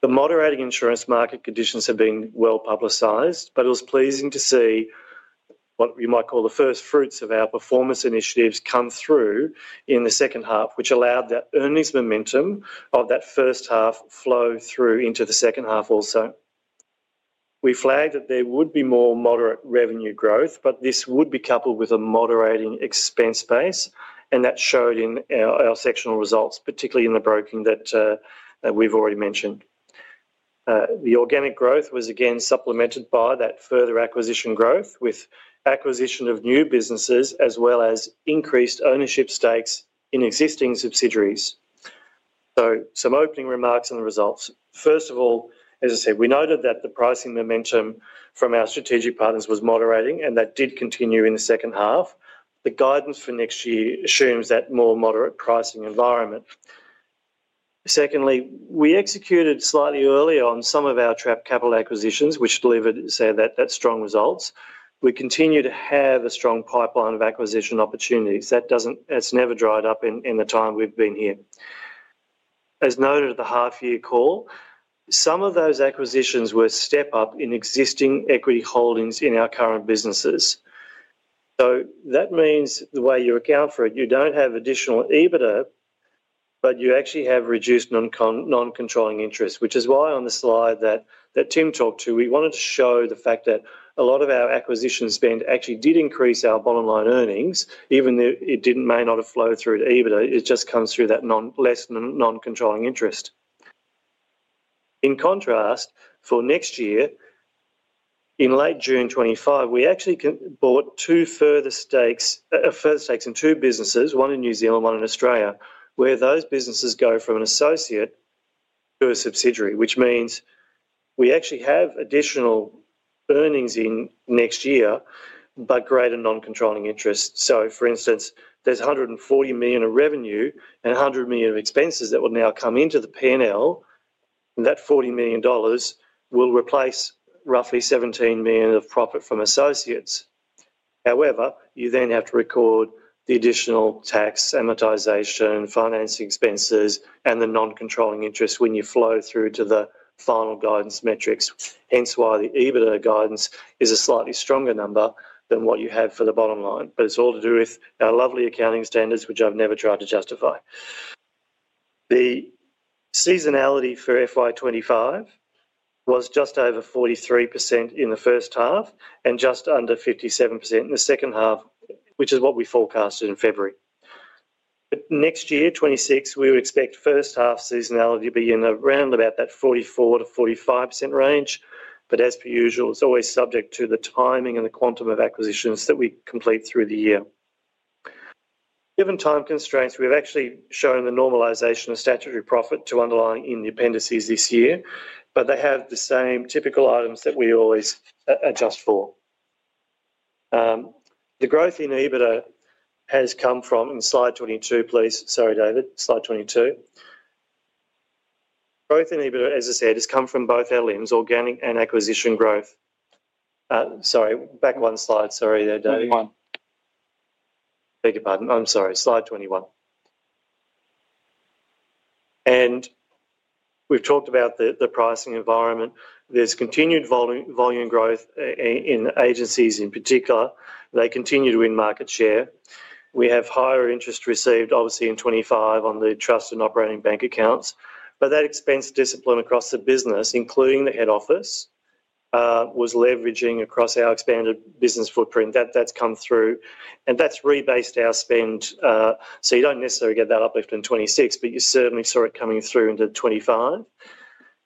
S6: The moderating insurance market conditions have been well publicized, but it was pleasing to see what you might call the first fruits of our performance initiatives come through in the second half, which allowed the earnings momentum of that first half to flow through into the second half also. We flagged that there would be more moderate revenue growth, but this would be coupled with a moderating expense base. That showed in our sectional results, particularly in the broking that we've already mentioned. The organic growth was again supplemented by that further acquisition growth, with acquisition of new businesses as well as increased ownership stakes in existing subsidiaries. Some opening remarks on the results. First of all, as I said, we noted that the pricing momentum from our strategic partners was moderating, and that did continue in the second half. The guidance for next year assumes that more moderate pricing environment. Secondly, we executed slightly early on some of our Trapped capital acquisitions, which delivered say, that strong results. We continue to have a strong pipeline of acquisition opportunities. It's never dried up in the time we've been here. As noted at the half-year call, some of those acquisitions were step-up in existing equity holdings in our current businesses. That means the way you account for it, you don't have additional EBITDA, but you actually have reduced non-controlling interest. Which is why on the slide that Tim talked to, we wanted to show the fact that a lot of our acquisition spend actually did increase our bottom line earnings, even though it may not have flowed through to EBITDA. It just comes through that less non-controlling interest. In contrast, for next year, in late June 2025, we actually bought two further stakes in two businesses, one in New Zealand, one in Australia, where those businesses go from an associate to a subsidiary, which means we actually have additional earnings next year, but greater non-controlling interest. For instance, there's $140 million of revenue and $100 million of expenses that will now come into the P&L. That $40 million will replace roughly $17 million of profit from associates. However, you then have to record the additional tax, amortization, financing expenses, and the non-controlling interest when you flow through to the final guidance metrics. Hence why the EBITDA guidance is a slightly stronger number than what you had for the bottom line. It's all to do with our lovely accounting standards, which I've never tried to justify. The seasonality for FY 2025 was just over 43% in the first half and just under 57% in the second half, which is what we forecasted in February. Next year, 2026, we would expect first-half seasonality to be around about that 44%-45% range. As per usual, it's always subject to the timing and the quantum of acquisitions that we complete through the year. Given time constraints, we've actually shown the normalization of statutory profit to underlying in the appendices this year. They have the same typical items that we always adjust for. Slide 22, please. Sorry, David. Slide 22, growth in EBITDA, as I said, has come from both our LIMs, organic and acquisition growth. Sorry, back one slide. Sorry there, Dave.
S1: 21.
S6: Beg your pardon. I'm sorry, slide 21. We've talked about the pricing environment. There's continued volume growth in agencies in particular, they continue to win market share. We have higher interest received obviously in 2025 on the trust and operating bank accounts, but that expense discipline across the business, including the head office was leveraging across our expanded business footprint. That's come through, and that's rebased our spend. You don't necessarily get that uplift in 2026, but you certainly saw it coming through into 2025.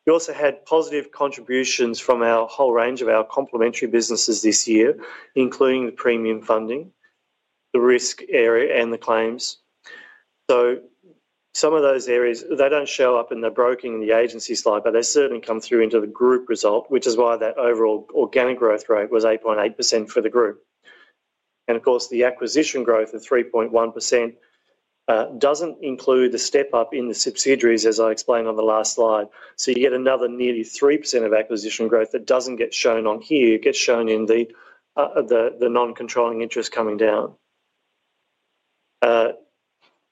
S6: We also had positive contributions from our whole range of our complementary businesses this year, including the premium funding, the risk area, and the claims. Some of those areas, they don't show up in the broking and the agency slide, but they certainly come through into the group result, which is why that overall organic growth was 8.8% for the group. Of course, the acquisition growth of 3.1% doesn't include the step up in the subsidiaries, as I explained on the last slide. You get another nearly 3% of acquisition growth that doesn't get shown on here. It gets shown in the non-controlling interest coming down.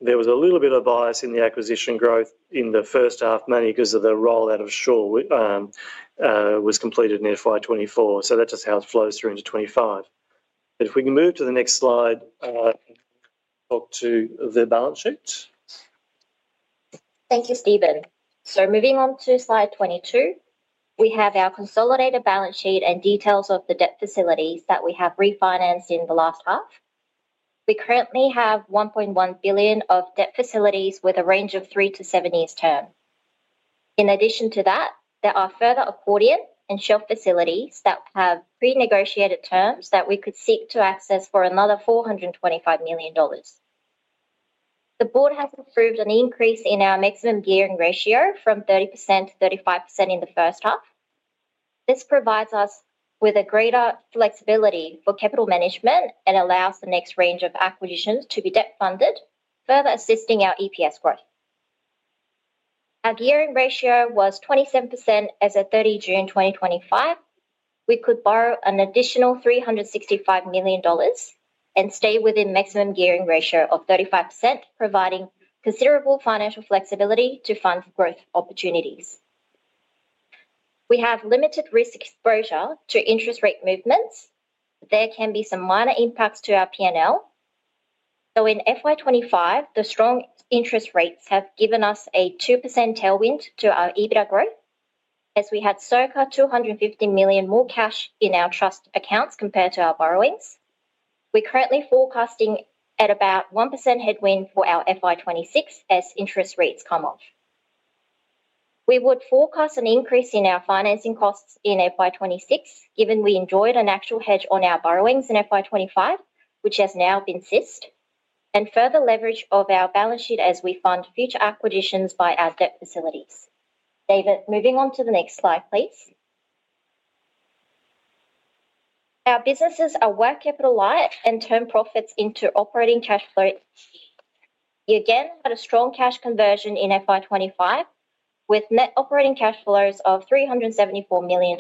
S6: There was a little bit of bias in the acquisition growth in the first half, mainly because of the rollout of Sure that was completed in FY 2024. That's just how it flows through into 2025. If we can move to the next slide, onto the balance sheet.
S7: Thank you, Stephen. Moving on to slide 22, we have our consolidated balance sheet and details of the debt facilities that we have refinanced in the last half. We currently have $1.1 billion of debt facilities with a range of three to seven years term. In addition to that, there are further accordion and shelf facilities that have pre-negotiated terms that we could seek to access for another $425 million. The board has approved an increase in our maximum gearing ratio from 30% to 35% in the first half. This provides us with greater flexibility for capital management, and allows the next range of acquisitions to be debt funded, further assisting our EPS growth. Our gearing ratio was 27% as of 30 June 2025. We could borrow an additional $365 million and stay within the maximum gearing ratio of 35%, providing considerable financial flexibility to fund growth opportunities. We have limited risk exposure to interest rate movements. There can be some minor impacts to our P&L. In FY 2025, the strong interest rates have given us a 2% tailwind to our EBITDA growth, as we had circa $250 million more cash in our trust accounts compared to our borrowings. We're currently forecasting at about a 1% headwind for our FY 2026 as interest rates [come off]. We would forecast an increase in our financing costs in FY 2026, given we enjoyed an actual hedge on our borrowings in FY 2025, which has now been ceased and further leverage of our balance sheet as we fund future acquisitions by our debt facilities. David, moving on to the next slide, please. Our businesses are working capital light and turn profits into operating cash flow. Again, we had a strong cash conversion in FY 2025, with net operating cash flows of $374 million.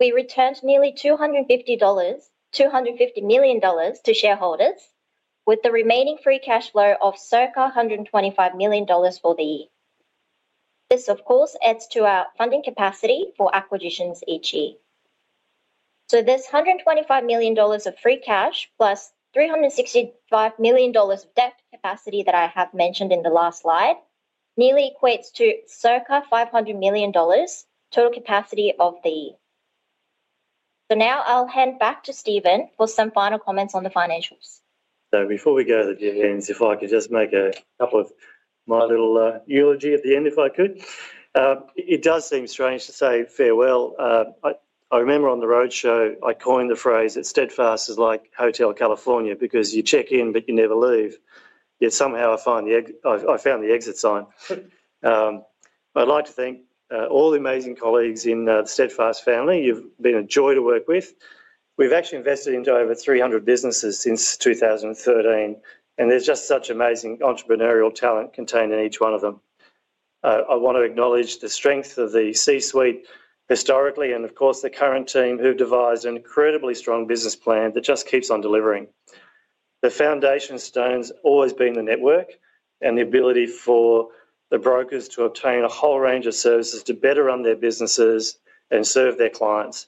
S7: We returned nearly $250 million to shareholders, with the remaining free cash flow of circa $125 million for the year. This of course, adds to our funding capacity for acquisitions each year. This $125 million of free cash plus $365 million of debt capacity that I have mentioned in the last slide, nearly equates to circa $500 million total capacity of the year. Now I'll hand back to Stephen for some final comments on the financials.
S6: Before we go to the Q&A, if I could just make a couple of my little eulogy at the end, if I could. It does seem strange to say farewell. I remember on the road show, I coined the phrase that Steadfast is like Hotel California because you check in, but you never leave. Somehow I found the exit sign. I'd like to thank all the amazing colleagues in the Steadfast family. You've been a joy to work with. We've actually invested into over 300 businesses since 2013, and there's just such amazing entrepreneurial talent contained in each one of them. I want to acknowledge the strength of the C-suite historically, and of course the current team who've devised an incredibly strong business plan that just keeps on delivering. The foundation stone's always been the network, and the ability for the brokers to obtain a whole range of services to better run their businesses and serve their clients.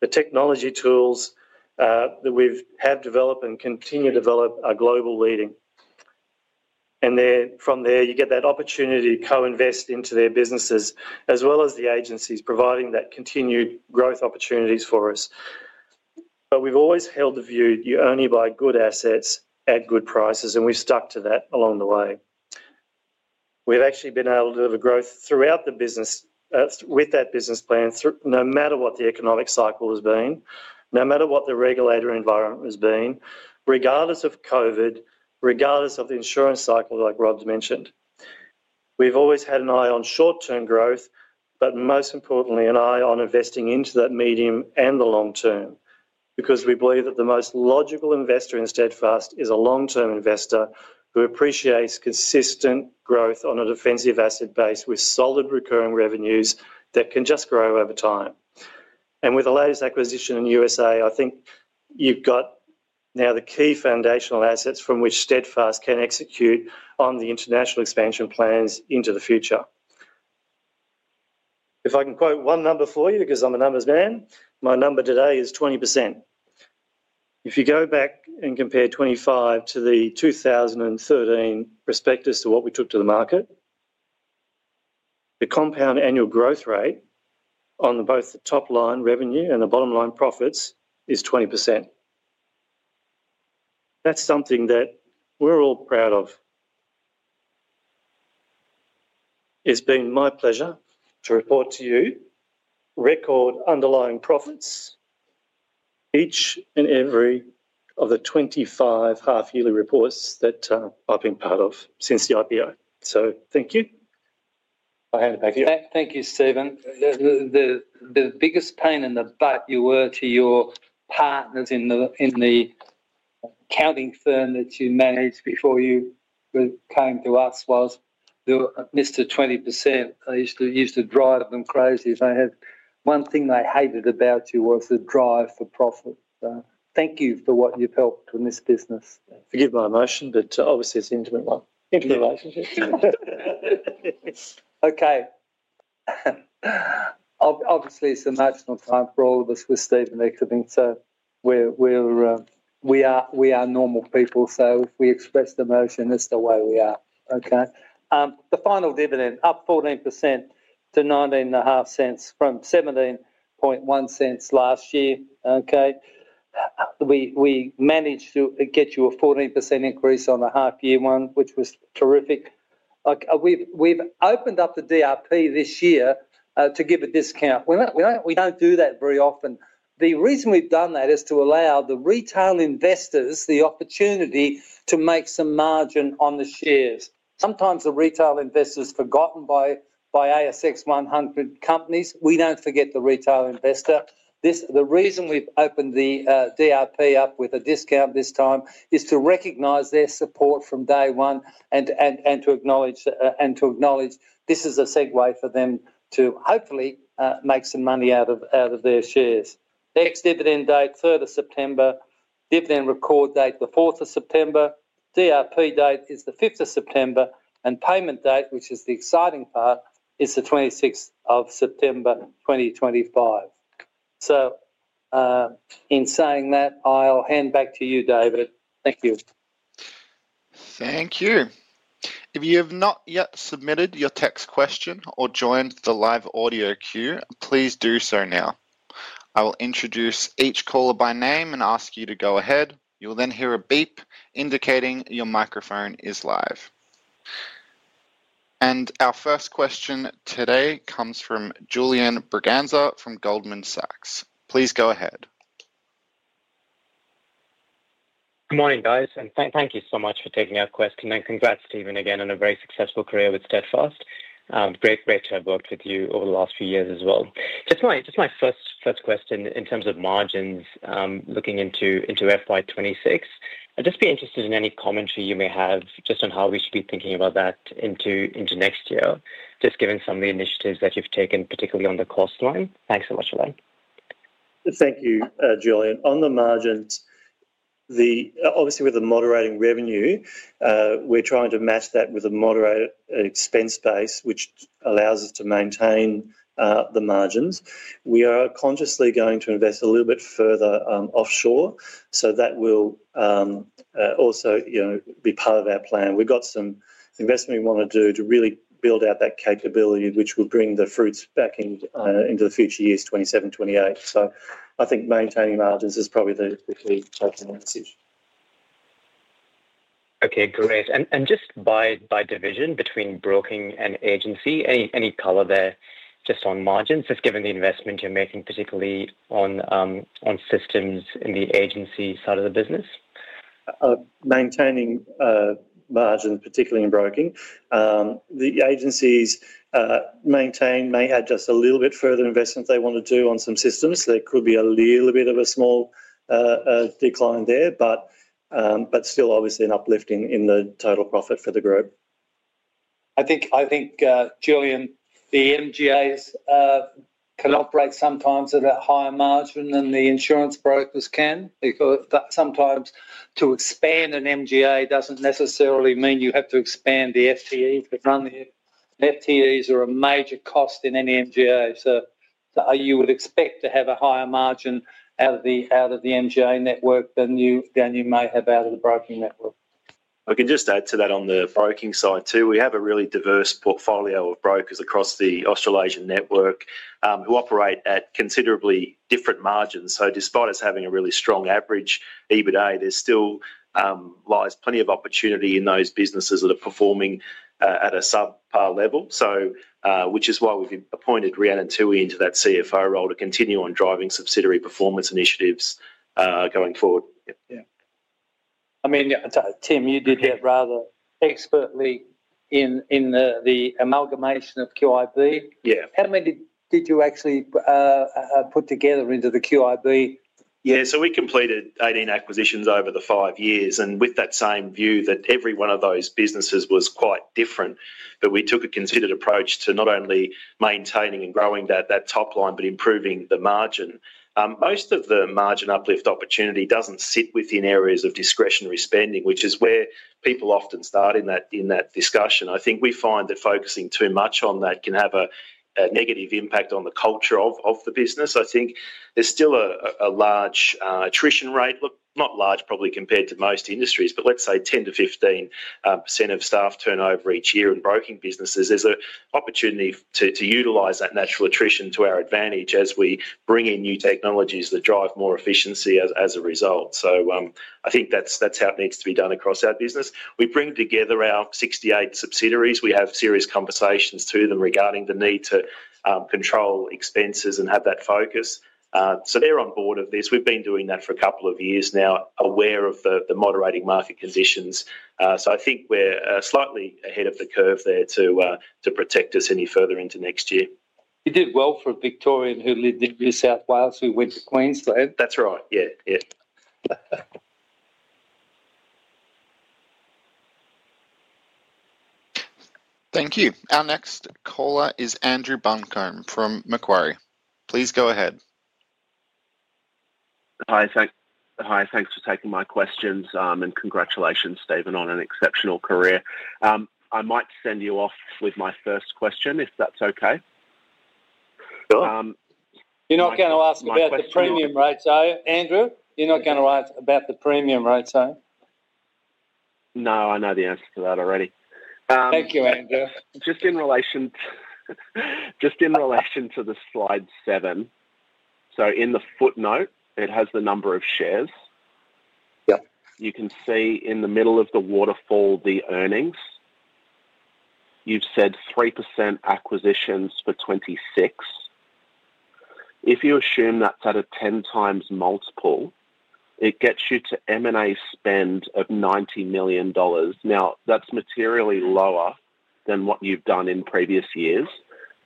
S6: The technology tools that we have developed and continue to develop are global leading. From there, you get that opportunity to co-invest into their businesses as well as the agencies, providing that continued growth opportunities for us. We've always held the view, you only buy good assets at good prices and we've stuck to that along the way. We've actually been able to deliver growth throughout the business with that business plan, no matter what the economic cycle has been, no matter what the regulator environment has been, regardless of COVID, regardless of the insurance cycle like Rob's mentioned. We've always had an eye on short-term growth, but most importantly, an eye on investing into that medium and the long term. We believe that the most logical investor in Steadfast is a long-term investor who appreciates consistent growth on a defensive asset base, with solid recurring revenues that can just grow over time. With the latest acquisition in the USA, I think you've got now the key foundational assets from which Steadfast can execute on the international expansion plans into the future. If I can quote one number for you, because I'm a numbers man, my number today is 20%. If you go back and compare 2025 to the 2013 prospectus to what we took to the market, the compound annual growth rate on both top-line revenue and the bottom-line profits is 20%. That's something that we're all proud of. It's been my pleasure to report to you record underlying profits each and every of the 25 half-yearly reports that I've been part of since the IPO. Thank you. I'll hand it back to you.
S2: Thank you, Stephen. The biggest pain in the butt you were to your partners in the accounting firm that you managed before you came to us was, you were Mr. 20%. You used to drive them crazy. One thing they hated about you was the drive for profit. Thank you for what you've helped in this business.
S6: Forgive my emotion, but obviously it's an intimate one.
S2: Okay. Obviously, it's a time for all of us with Stephen, I think. We are normal people, so we express the emotion, and this is the way we are. Okay, the final dividend up 14% to $0.195 from $0.171 last year. We managed to get you a 14% increase on the half year one, which was terrific. We've opened up the DRP this year to give a discount. We don't do that very often. The reason we've done that, is to allow the retail investors the opportunity to make some margin on the shares. Sometimes the retail investor's forgotten by ASX 100 companies, we don't forget the retail investor. The reason we've opened the DRP up with a discount this time, is to recognize their support from day one and to acknowledge this is a segue for them to hopefully make some money out of their shares. Next dividend date, 3rd of September. Dividend record date, the 4th of September. DRP date is the 5th of September. Payment date, which is the exciting part, is the 26th September 2025. In saying that, I'll hand back to you, David. Thank you.
S1: Thank you. If you have not yet submitted your text question or joined the live audio queue, please do so now. I will introduce each caller by name and ask you to go ahead. You will then hear a beep indicating your microphone is live. Our first question today comes from Julian Braganza from Goldman Sachs. Please go ahead.
S8: Good morning, guys, and thank you so much for taking our question. Congrats, Stephen, again on a very successful career with Steadfast. Great to have worked with you over the last few years as well. Just my first question in terms of margins looking into FY 2026, I'd be interested in any commentary you may have just on how we should be thinking about that into next year, given some of the initiatives that you've taken particularly on the cost line. Thanks so much.
S6: Thank you, Julian. On the margins, obviously with the moderating revenue, we're trying to match that with a moderate expense base, which allows us to maintain the margins. We are consciously going to invest a little bit further offshore. That will also be part of that plan. We've got some investment we want to do to really build out that capability, which will bring the fruits back into the future years, 2027, 2028. I think maintaining margins is probably the key take-away message.
S8: Okay, great. Just by division between broking and agency, any color there just on margins, just given the investment you're making, particularly on systems in the agency side of the business.
S6: Maintaining margin particularly in broking, the agencies may add just a little bit further investment they want to do on some systems. There could be a little bit of a small decline there, but still obviously uplifting in the total profit for the group.
S2: I think, Julian, the MGAs can operate sometimes at a higher margin than the insurance brokers can. Sometimes to expand an MGA doesn't necessarily mean you have to expand the FTE. The FTEs are a major cost in any MGA, so you would expect to have a higher margin out of the MGA network than you may have out of the broking network.
S9: I can just add to that on the broking side too. We have a really diverse portfolio of brokers across the Australasian network, who operate at considerably different margins. Despite us having a really strong average EBITDA, there's still plenty of opportunity in those businesses that are performing at a subpar level, which is why we've appointed Rhiannon Toohey into that CFO role, to continue driving subsidiary performance initiatives going forward.
S2: I mean, Tim, you did hit rather expertly in the amalgamation of QIB.
S3: Yeah.
S2: How many did you actually put together into the QIB?
S3: Yeah. We completed 18 acquisitions over the five years. With that same view that every one of those businesses was quite different, we took a considered approach to not only maintaining and growing that top line, but improving the margin. Most of the margin uplift opportunity doesn't sit within areas of discretionary spending, which is where people often start in that discussion. I think we find that focusing too much on that can have a negative impact on the culture of the business. I think there's still a large attrition rate. Not large probably compared to most industries, but let's say 10%-15% of staff turnover each year in broking businesses. There's an opportunity to utilize that natural attrition to our advantage, as we bring in new technologies that drive more efficiency as a result. I think that's how it needs to be done across our business. We bring together our 68 subsidiaries. We have serious conversations with them regarding the need to control expenses and have that focus. They're on board with this. We've been doing that for a couple of years now, aware of the moderating market conditions. I think we're slightly ahead of the curve there, to protect us any further into next year.
S2: You did well for a Victorian who lived in New South Wales, who went to Queensland.
S3: That's right, yeah.
S1: Thank you. Our next caller is Andrew Buncombe from Macquarie. Please go ahead.
S10: Hi. Thanks for taking my questions and congratulations, Stephen, on an exceptional career. I might send you off with my first question, if that's okay.
S6: Go on, you're not going to ask me about the premium rates, are you, Andrew? You're not going to ask about the premium rates, are you?
S10: No, I know the answer to that already.
S6: Thank you, Andrew.
S10: Just in relation to slide 7, so in the footnote, it has the number of shares. You can see in the middle of the waterfall, the earnings. You've said 3% acquisitions for 2026. If you assume that's at a 10x multiple, it gets you to an M&A spend of $90 million. Now, that's materially lower than what you've done in previous years.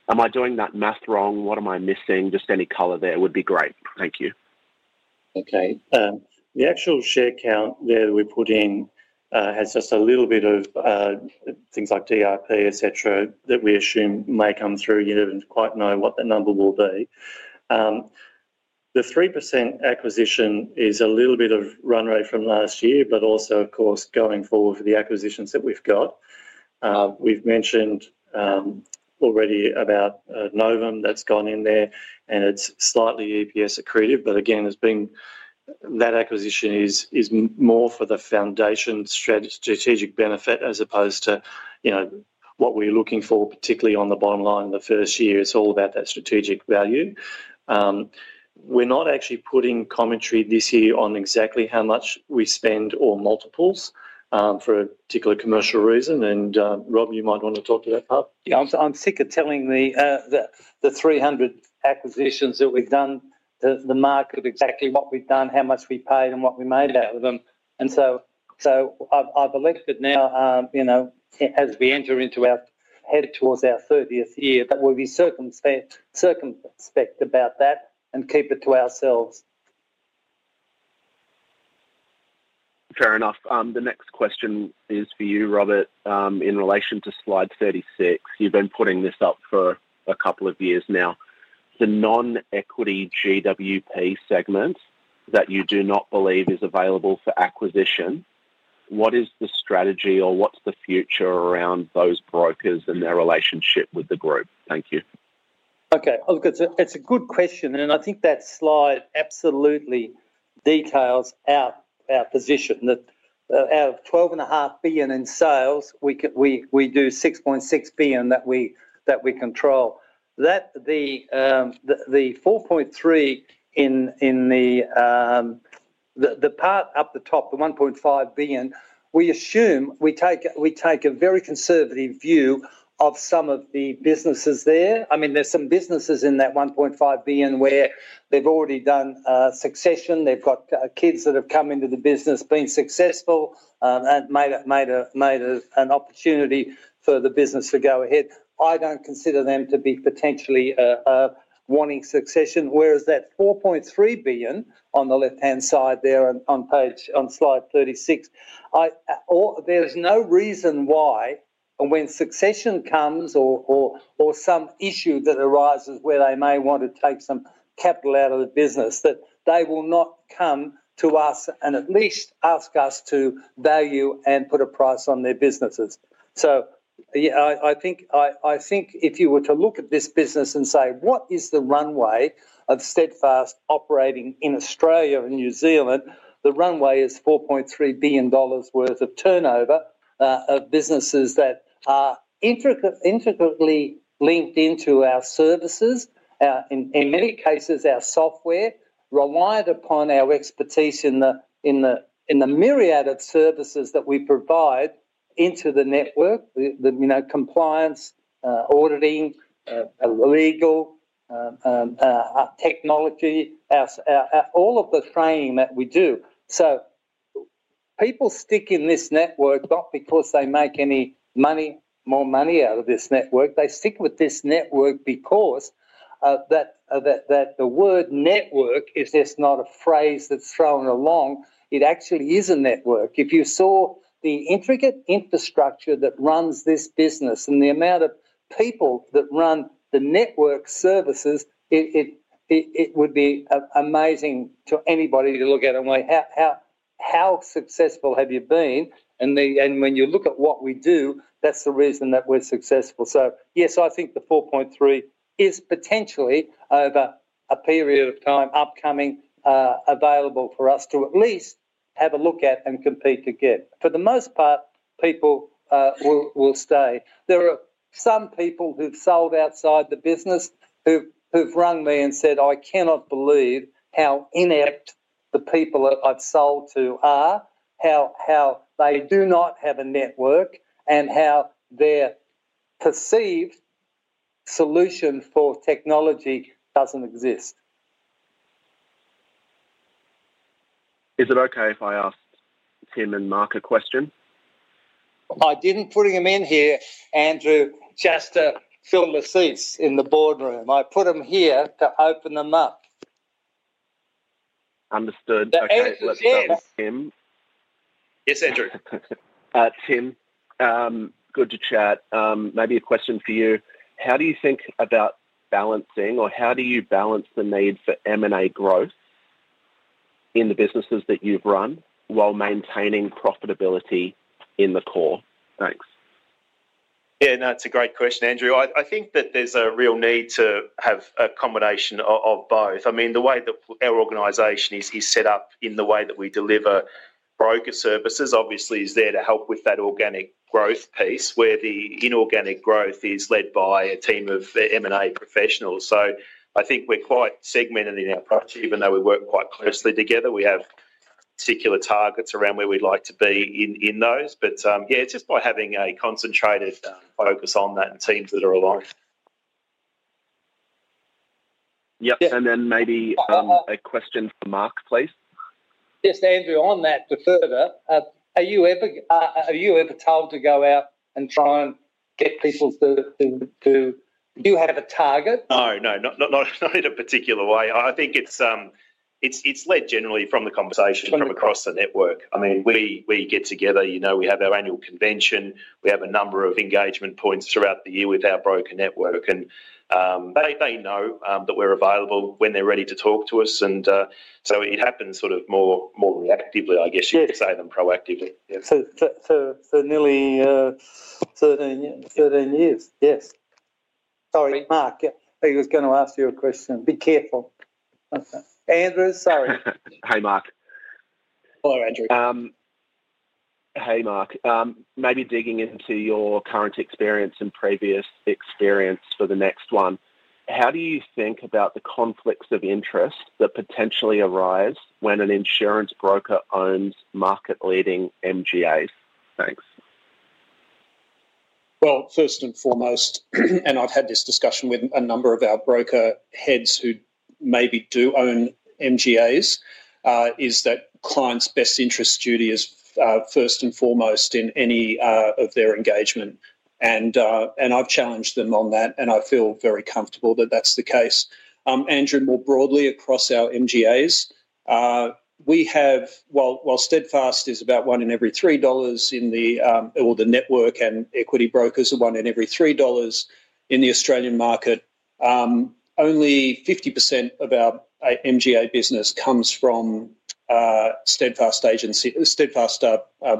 S10: Am I doing that math wrong? What am I missing? Just any color there would be great. Thank you.
S6: Okay. The actual share count there we put in has just a little bit of things like DIP, etc, that we assume may come through. You don't quite know what that number will be. The 3% acquisition is a little bit of a run rate from last year, but also, of course going forward for the acquisitions that we've got. We've mentioned already about Novum that's gone in there, and it's slightly EPS accretive. Again, that acquisition is more for the foundation strategic benefit as opposed to what we're looking for particularly on the bottom line the first year, it's all about that strategic value. We're not actually putting commentary this year on exactly how much we spend or multiples for a particular commercial reason. Rob, you might want to talk to that part.
S2: Yeah, I'm sick of telling the 300 acquisitions that we've done, the market exactly what we've done, how much we paid, and what we made out of them. I believe that now, as we head towards our 30th year, that we'll be about that and keep it to ourselves.
S10: Fair enough. The next question is for you, Robert. In relation to slide 36, you've been putting this up for a couple of years now. The non-equity GWP segment that you do not believe is available for acquisition, what is the strategy or what's the future around those brokers and their relationship with the group? Thank you.
S2: Okay, it's a good question. I think that slide absolutely details our position, that out of $12.5 billion in sales, we do $6.6 billion that we control. The $4.3 billion in the part up the top, the $1.5 billion, we take a very conservative view on some of the businesses there. I mean, there are some businesses in that $1.5 billion where they've already done succession. They've got kids that have come into the business, been successful and made an opportunity for the business to go ahead. I don't consider them to be potentially wanting succession. Whereas that $4.3 billion on the left-hand side there on slide 36, there's no reason why when succession comes or some issue that arises where they may want to take some capital out of the business, that they will not come to us and at least ask us to value and put a price on their businesses. I think if you were to look at this business and say, what is the runway of Steadfast operating in Australia and New Zealand? The runway is $4.3 billion worth of turnover of businesses that are intricately linked into our services, in many cases, our software, reliant upon our expertise in the myriad of services that we provide into the network, the compliance, auditing, legal, technology, all of the training that we do. People stick in this network not because they make more money out of this network. They stick with this network because the word network is just not a phrase that's thrown along. It actually is a network. If you saw the intricate infrastructure that runs this business and the amount of people that run the network services, it would be amazing to anybody to look at and I'm like, "How successful have you been?" When you look at what we do, that's the reason that we're successful. Yes, I think the $4.3 billion is potentially, over a period of time, upcoming, available for us to at least have a look at and compete again. For the most part, people will stay. There are some people who've sold outside the business, who've rung me and said, "I cannot believe how inept the people that I've sold to are, how they do not have a network and how their perceived solution for technology doesn't exist."
S10: Is it okay if I ask Tim and Mark a question?
S2: I didn't put him in here, Andrew, just film the seats in the boardroom. I put them here to open them up. The answer is yes.
S10: Understood. Okay, let's go with Tim.
S9: Yes, Andrew.
S10: Tim, good to chat. Maybe a question for you. How do you think about balancing or how do you balance the need for M&A growth in the businesses that you've run while maintaining profitability in the core? Thanks.
S3: Yeah. No, it's a great question, Andrew. I think that there's a real need to have a combination of both. I mean, the way that our organization is set up and the way that we deliver, broker services obviously is there to help with that organic growth piece, where the inorganic growth is led by a team of M&A professionals. I think we're quite segmented in the approach. Even though we work quite closely together, we have particular targets around where we'd like to be in those. Yeah, it's just by having a concentrated focus on that and teams that are aligned.
S10: Yep. Maybe a question for Mark, please.
S2: Yes, Andrew, on that, are you ever told to go out and try to get people have a target?
S10: No, not in a particular way. I think it's led generally from the conversation from across the network. We get together, we have our annual convention, we have a number of engagement points throughout the year with our broker network. They know that we're available when they're ready to talk to us, and so it happens more reactively, you could say than proactively.
S2: For nearly 13 years. Yes. Sorry, Mark, he was going to ask you a question. Be careful. Andrew. Sorry.
S10: Hey Mark.
S4: Hello Andrew.
S10: Hey Mark. Maybe digging into your current experience and previous experience for the next one, how do you think about the conflicts of interest that potentially arise when an insurance broker owns market leading MGAs? Thanks.
S4: First and foremost, and I've had this discussion with a number of our broker heads who maybe do own MGAs, is that clients' best interest duty is first and foremost in any of their engagement. I've challenged them on that, and I feel very comfortable that that's the case. Andrew, more broadly, across our MGAs, while Steadfast is about $1 in every $3 in the network and equity brokers are $1 in every $3 in the Australian market, only 50% of our MGA business comes from Steadfast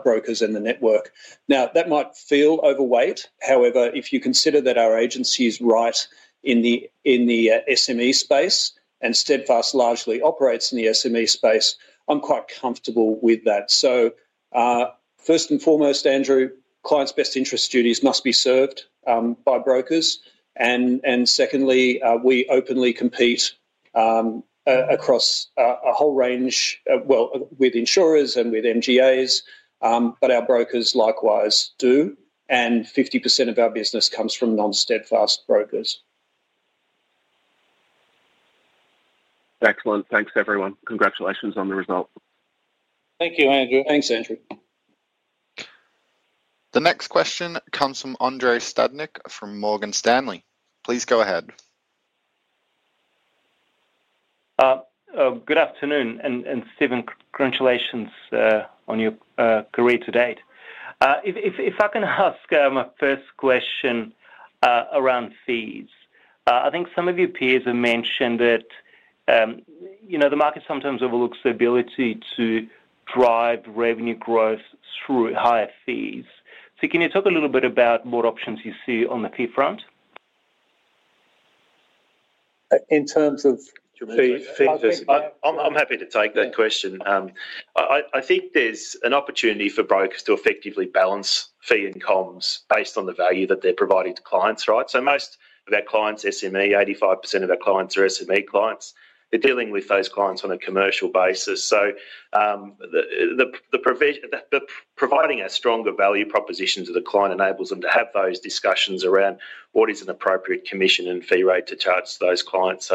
S4: Brokers in the network. That might feel overweight. However, if you consider that our agency is right in the SME space and Steadfast largely operates in the SME space, I'm quite comfortable with that. First and foremost, Andrew, clients' best interest duties must be served by brokers. Secondly, we openly compete across a whole range, with insurers and with MGAs. Our brokers likewise do, and 50% of our business comes from non-Steadfast brokers.
S10: Excellent. Thanks, everyone. Congratulations on the result.
S2: Thank you, Andrew. Thanks, Andrew.
S1: The next question comes from Andrea Studnicka from Morgan Stanley. Please go ahead.
S11: Good afternoon. Stephen, congratulations on your career to date. If I can ask my first question around fees. I think some of your peers have mentioned that the market sometimes overlooks the ability to drive revenue growth through higher fees. Can you talk a little bit about what options you see on the fee front?
S6: In terms of?
S11: The fee.
S9: I'm happy to take that question. I think there's an opportunity for brokers to effectively balance fee and comms based on the value that they're providing to clients. Most of our clients are SME, 85% of our clients are SME clients. They're dealing with those clients on a commercial basis. Providing a stronger value proposition to the client enables them to have those discussions around, what is an appropriate commission and fee rate to charge those clients?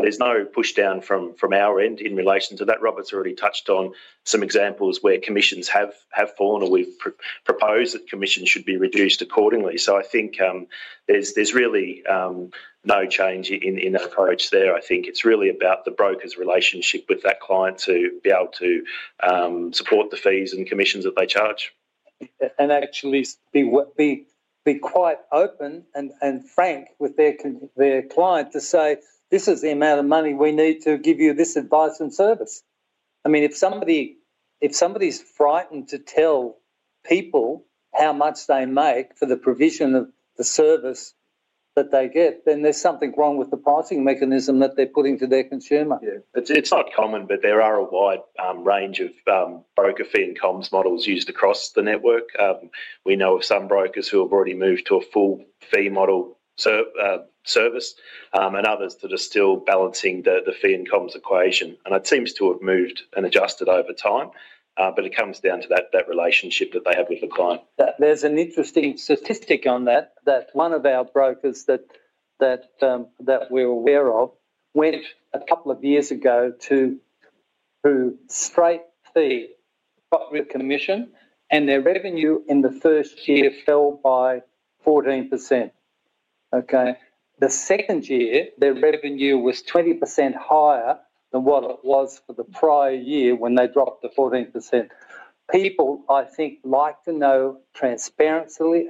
S9: There's no push down from our end in relation to that. Robert's already touched on some examples where commissions have fallen, or we've proposed that commissions should be reduced accordingly. I think there's really no change in approach there. It's really about the broker's relationship with that client, to be able to support the fees and commissions that they charge.
S2: Actually, be quite open and frank with their client to say, "This is the amount of money we need to give you this advice and service." I mean, if somebody's frightened to tell people how much they make for the provision of the service that they get, then there's something wrong with the pricing mechanism that they're putting to their consumer.
S9: Yeah, it's not common, but there are a wide range of broker fee and comms models used across the network. We know of some brokers who have already moved to a full fee model service, and others that are still balancing the fee and comms equation. It seems to have moved and adjusted over time, but it comes down to that relationship that they have with the client.
S2: There's an interesting statistic on that, one of our brokers that we're aware of, went a couple of years ago to straight fee commission and their revenue in the first year fell by 14%. The second year, their revenue was 20% higher than what it was for the prior year when they dropped the 14%. People I think like to know transparency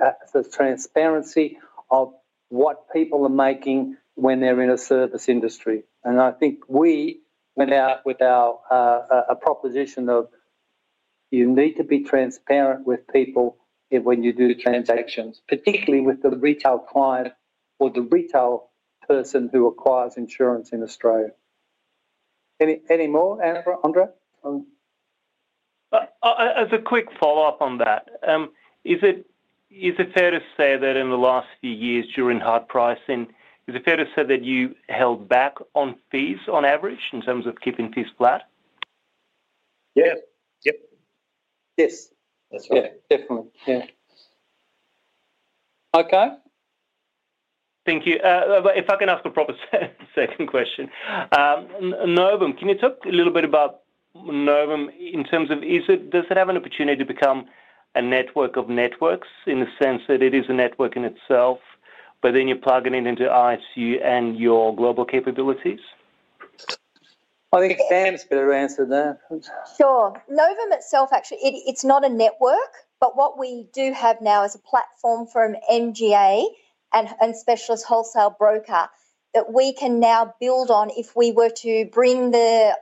S2: of what people are making when they're in a service industry. I think we went out with a proposition of, you need to be transparent with people when you do transactions, particularly with the retail client or the retail person who acquires insurance in Australia.
S1: Any more, Andrea?
S11: As a quick follow-up on that, is it fair to say that in the last few years, during hard pricing, is it fair to say that you held back on fees on average in terms of keeping fees flat?
S2: Yeah. Yes, that's right. Definitely, yeah.
S11: Okay. Thank you. If I can ask a proper setting question, Novum, can you talk a little bit about Novum in terms of, does it have an opportunity to become a network of networks in the sense that it is a network in itself, but then you plug it into ISU and your global capabilities?
S2: I think Sam has better answer to that.
S5: Sure. Novum itself, actually it's not a network, but what we do have now is a platform for an MGA and specialist wholesale broker that we can now build on. If we were to bring the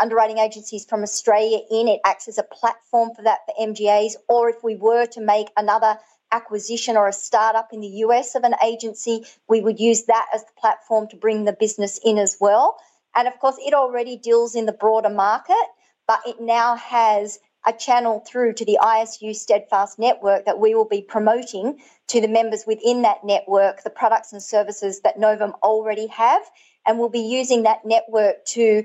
S5: underwriting agencies from Australia in, it acts as a platform for that for MGAs, or if we were to make another acquisition or a startup in the U.S. of an agency, we would use that as the platform to bring the business in as well. Of course, it already deals in the broader market, but it now has a channel through to the ISU Steadfast network that we will be promoting to the members within that network, the products and services that Novum already have. We'll be using that network to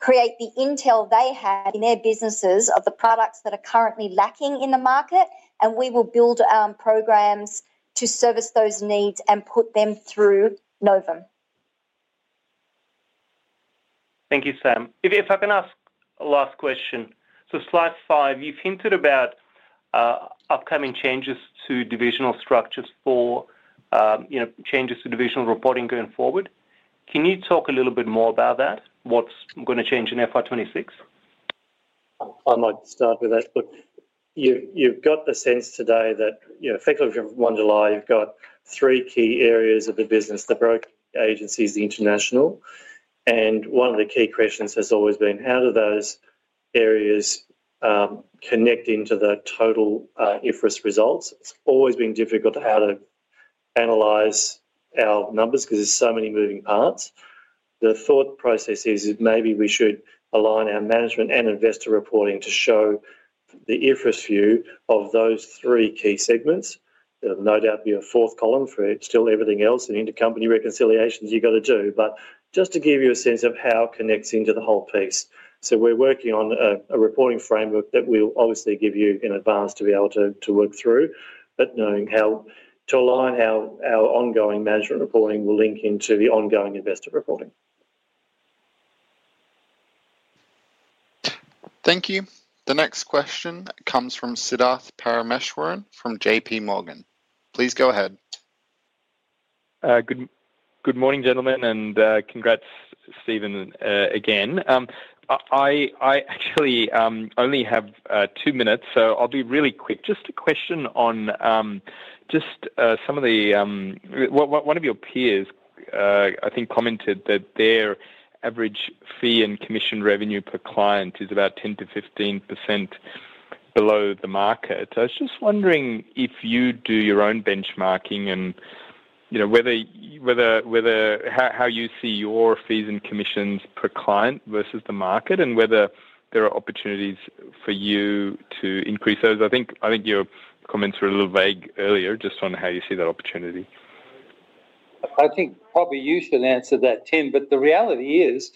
S5: create the intel they had in their businesses, of the products that are currently lacking in the market. We will build programs to service those needs and put them through Novum.
S11: Thank you, Sam. If I can ask a last question, so slide five, you've hinted about upcoming changes to divisional structures for changes to divisional reporting going forward. Can you talk a little bit more about that? What's going to change in FY 2026?
S6: I might start with that. You've got a sense today that, thankfully from 1 July, you've got three key areas of the business, the brokerage, agency and the international. One of the key questions has always been, how do those areas connect into the total IFRS results? It's always been difficult to analyze our numbers because there are so many moving parts. The thought process is maybe we should align our management and investor reporting to show the IFRS view of those three key segments. There'll no doubt be a fourth column for still everything else and intercompany reconciliations you've got to do, but just to give you a sense of how it connects into the whole piece. We're working on a reporting framework that we'll obviously give you in advance to be able to work through. Knowing how to align our ongoing management reporting will link into the ongoing investor reporting.
S1: Thank you. The next question comes from Siddharth Parameswaran from JPMorgan. Please go ahead.
S12: Good morning, gentlemen. Congrats, Stephen, again. I actually only have two minutes. I'll be really quick. Just a question on, one of your peers I think commented that their average fee and commission revenue per client is about 10% -15% below the market. I was just wondering if you do your own benchmarking, and how you see your fees and commissions per client versus the market, and whether there are opportunities for you to increase those. I think your comments were a little vague earlier, just on how you see that opportunity.
S2: I think probably you should answer that, Tim. The reality is,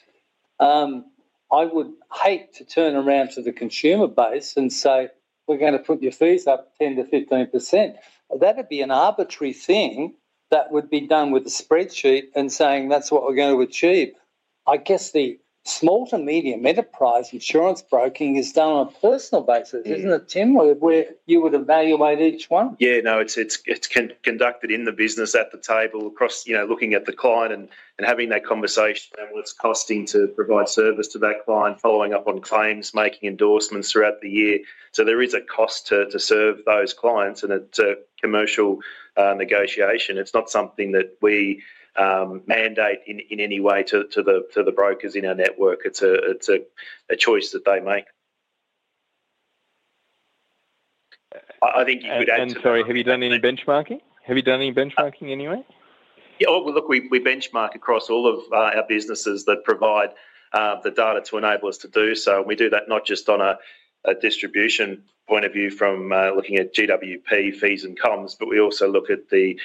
S2: I would hate to turn around to the consumer base and say, "We're going to put your fees up 10%-15%." That'd be an arbitrary thing that would be done with the spreadsheet and saying, "That's what we're going to achieve." The small to medium enterprise insurance broking is done on a personal basis, isn't it, Tim? You would evaluate each one?
S3: Yeah. No, it's conducted in the business at the table, looking at the client and having that conversation and what it's costing to provide service to that client, following up on claims, making endorsements throughout the year. There is a cost to serve those clients, and it's a commercial negotiation. It's not something that we mandate in any way to the brokers in our network. It's a choice that they make, I think.
S12: have you done any benchmarking? Have you done any benchmarking anyway?
S3: Yeah. Look, we benchmark across all of our businesses that provide the data to enable us to do so. We do that not just on a distribution point of view from looking at GWP, fees, and comms, but we also look at the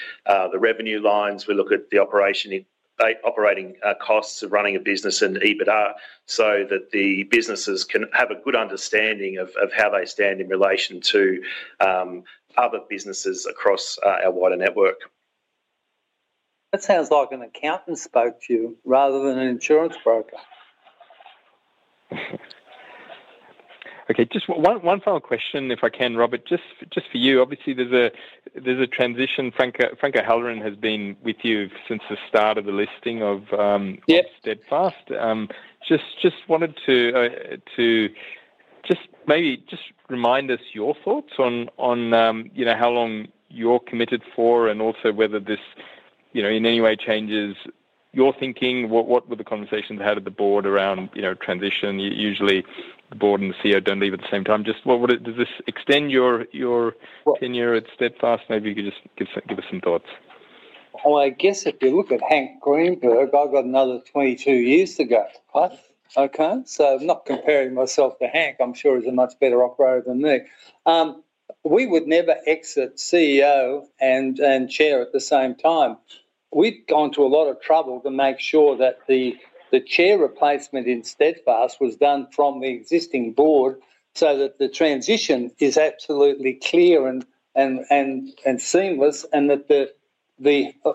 S3: revenue lines. We look at the operating costs of running a business and EBITDA, so that the businesses can have a good understanding of how they stand in relation to other businesses across our wider network.
S2: That sounds like an accountant spoke to you rather than an insurance broker.
S12: Okay, just one final question, if I can, Robert, just for you. Obviously, there's a transition. Frank O'Halloran has been with you since the start of the listing of Steadfast. Just maybe remind us your thoughts on how long you're committed for, and also whether this in any way changes your thinking. What were the conversations you had at the board around transition? Usually, the board and the CEO don't leave at the same time. Does this extend your tenure at Steadfast? Maybe you could just give us some thoughts.
S2: I guess if you look at Hank Greenberg, I've got another 22 years to go. Okay, so not comparing myself to Hank. I'm sure he's a much better off-roader than me. We would never exit CEO and Chair at the same time. We'd gone to a lot of trouble to make sure that the Chair replacement in Steadfast was done from the existing board, so that the transition is absolutely clear and seamless, and that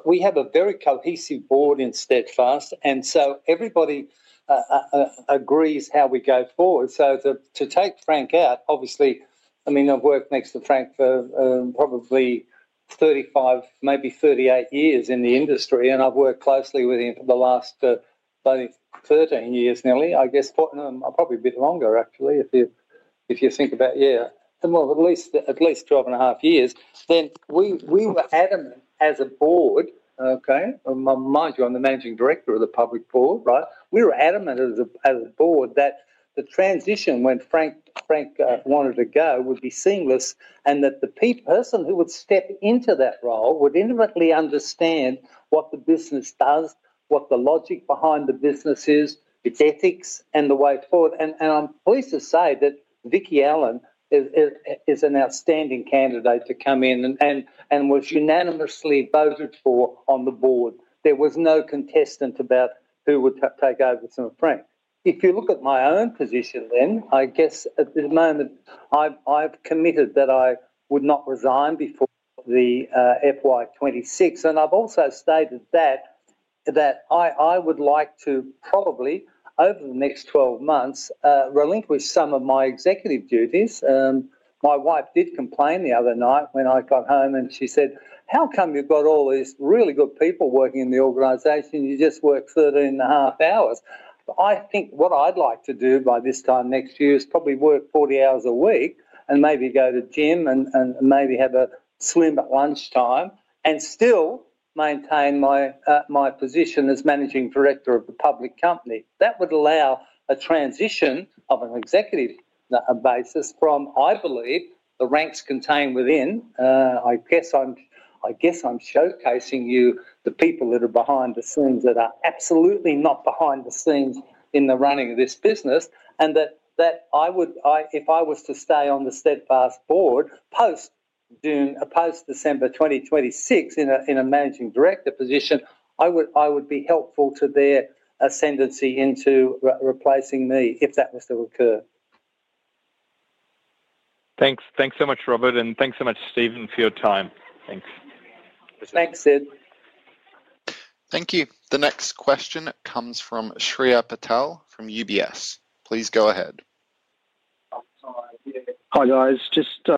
S2: we have a very cohesive board in Steadfast. Everybody agrees how we go forward. To take Frank out, obviously, I've worked next to Frank for probably 35, maybe 38 years in the industry, and I've worked closely with him for the last 13 years nearly, probably a bit longer actually, if you think about it. At least 12.5 years, mind you, I'm the Managing Director of the public board, we were adamant as a board that the transition when Frank wanted to go would be seamless and that the person who would step into that role, would intimately understand what the business does, what the logic behind the business is, its ethics and the way forward. I'm pleased to say that Vicki Allen is an outstanding candidate to come in, and was unanimously voted for on the board. There was no contestant about who would take over from Frank. If you look at my own position, then I guess at the moment I've committed that I would not resign before the FY 2026. I've also stated that I would like to probably over the next 12 months, relinquish some of my executive duties. My wife did complain the other night when I got home, and she said, "How come you've got all these really good people working in the organization? You just work 13.5 hours." I think what I'd like to do by this time next year, is probably work 40 hours a week and maybe go to gym and maybe have a swim at lunchtime, and still maintain my position as Managing Director of a public company. That would allow a transition of an executive basis from, I believe the ranks contained within. I guess I'm showcasing you, the people that are behind the scenes, that are absolutely not behind the scenes in the running of this business. That if I was to stay on the Steadfast Group board post December 2026 in a Managing Director position, I would be helpful to their ascendancy into replacing me if that was to occur.
S12: Thanks. Thanks so much, Robert. Thanks so much, Stephen, for your time.
S6: Thanks.
S2: Thanks, Sid.
S1: Thank you. The next question comes from Shreya Patel from UBS. Please go ahead.
S13: Hi guys. Just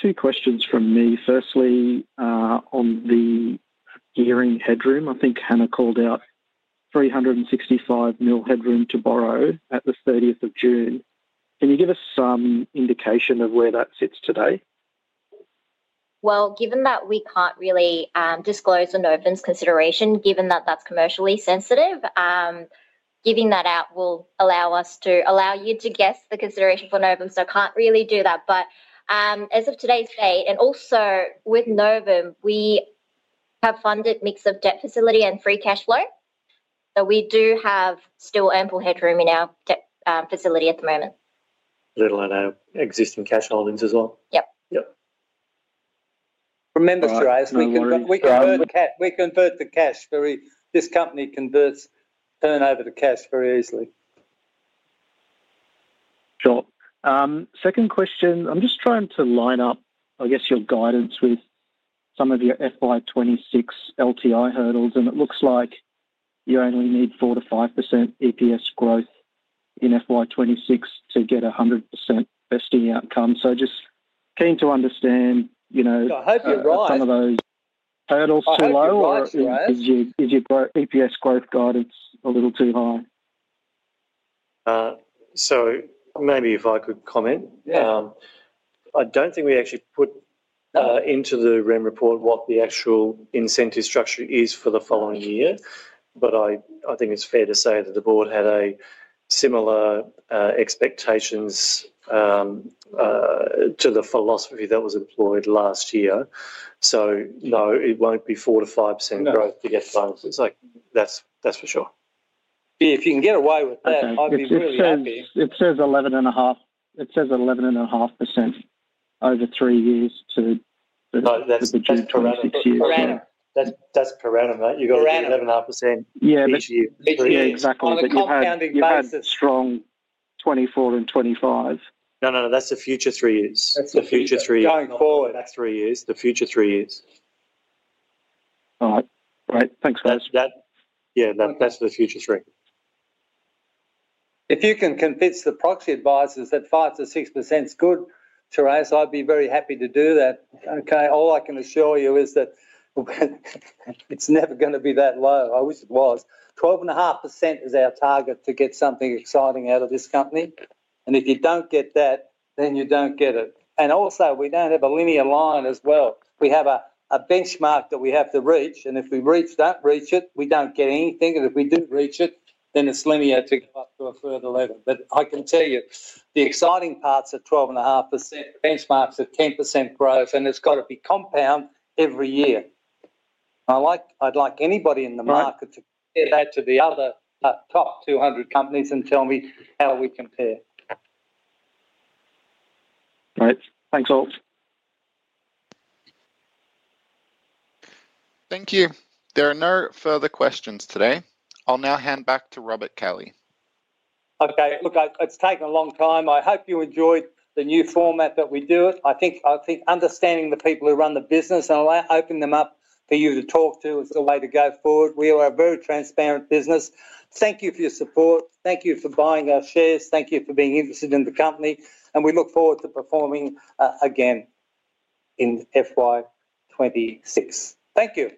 S13: two questions from me. Firstly, on the gearing headroom, I think Hannah called out $365 million headroom to borrow at the 30 June. Can you give us some indication of where that sits today?
S7: Given that we can't really disclose the Novum's consideration, given that that's commercially sensitive, giving that out will allow you to guess the consideration for Novum, so I can't really do that. As of today's date and also with Novum, we have funded mix of debt facility and free cash flow. We do have still ample headroom in our facility at the moment.
S6: A little at our existing cash holdings as well, yep.
S7: Yep.
S2: Remember, we convert the cash. This company converts turnover to cash very easily.
S13: Sure, second question. I'm just trying to line up your guidance with some of your FY 2026 LTI hurdles. It looks like you only need 4%-5% EPS growth in FY 2026 to get 100% vesting outcome. Just keen to understand, are those hurdles too low or is your EPS growth guidance a little too high?
S2: I hope you're right. I hope you're right.
S6: Maybe if I could comment. I don't think we actually put into the REM report what the actual incentive structure is for the following year. I think it's fair to say that the board had similar expectations to the philosophy that was employed last year. No, it won't be 4%-5% growth to get funds. That's for sure.
S2: If you can get away with that, I'd be really happy.
S13: It says 11.5. It says 11.5% over three years. To deny.
S6: That's per annum. You've got 11.5%.
S13: Yeah, exactly. strong 2024 and 2025.
S6: No, that's the future three years. That's the future three years.
S2: going forward.
S6: The future three years.
S13: All right, great. Thanks, guys.
S6: Yeah, that's the future three.
S2: If you can convince the proxy advisors that 5%-6% is good, I'd be very happy to do that. Okay, all I can assure you is that it's never going to be that low. I wish it was. 12.5% is our target to get something exciting out of this company. If you don't get that, then you don't get it. Also, we don't have a linear line as well. We have a benchmark that we have to reach. If we reach that, we don't get anything. If we didn't reach it, then it's linear to go up to a further level. I can tell you, the exciting parts are 12.5% benchmarks a 10% growth, and it's got to be compound every year. I'd like anybody in the market to compare that to the other top 200 companies, and tell me how we compare.
S13: All right. Thanks, [guys].
S1: Thank you. There are no further questions today. I'll now hand back to Robert Kelly.
S2: Okay. Look, it's taken a long time. I hope you enjoyed the new format that we're doing. I think understanding the people who run the business, I'll open them up for you to talk to is the way to go forward. We are a very transparent business. Thank you for your support. Thank you for buying our shares. Thank you for being interested in the company. We look forward to performing again in FY 2026. Thank you.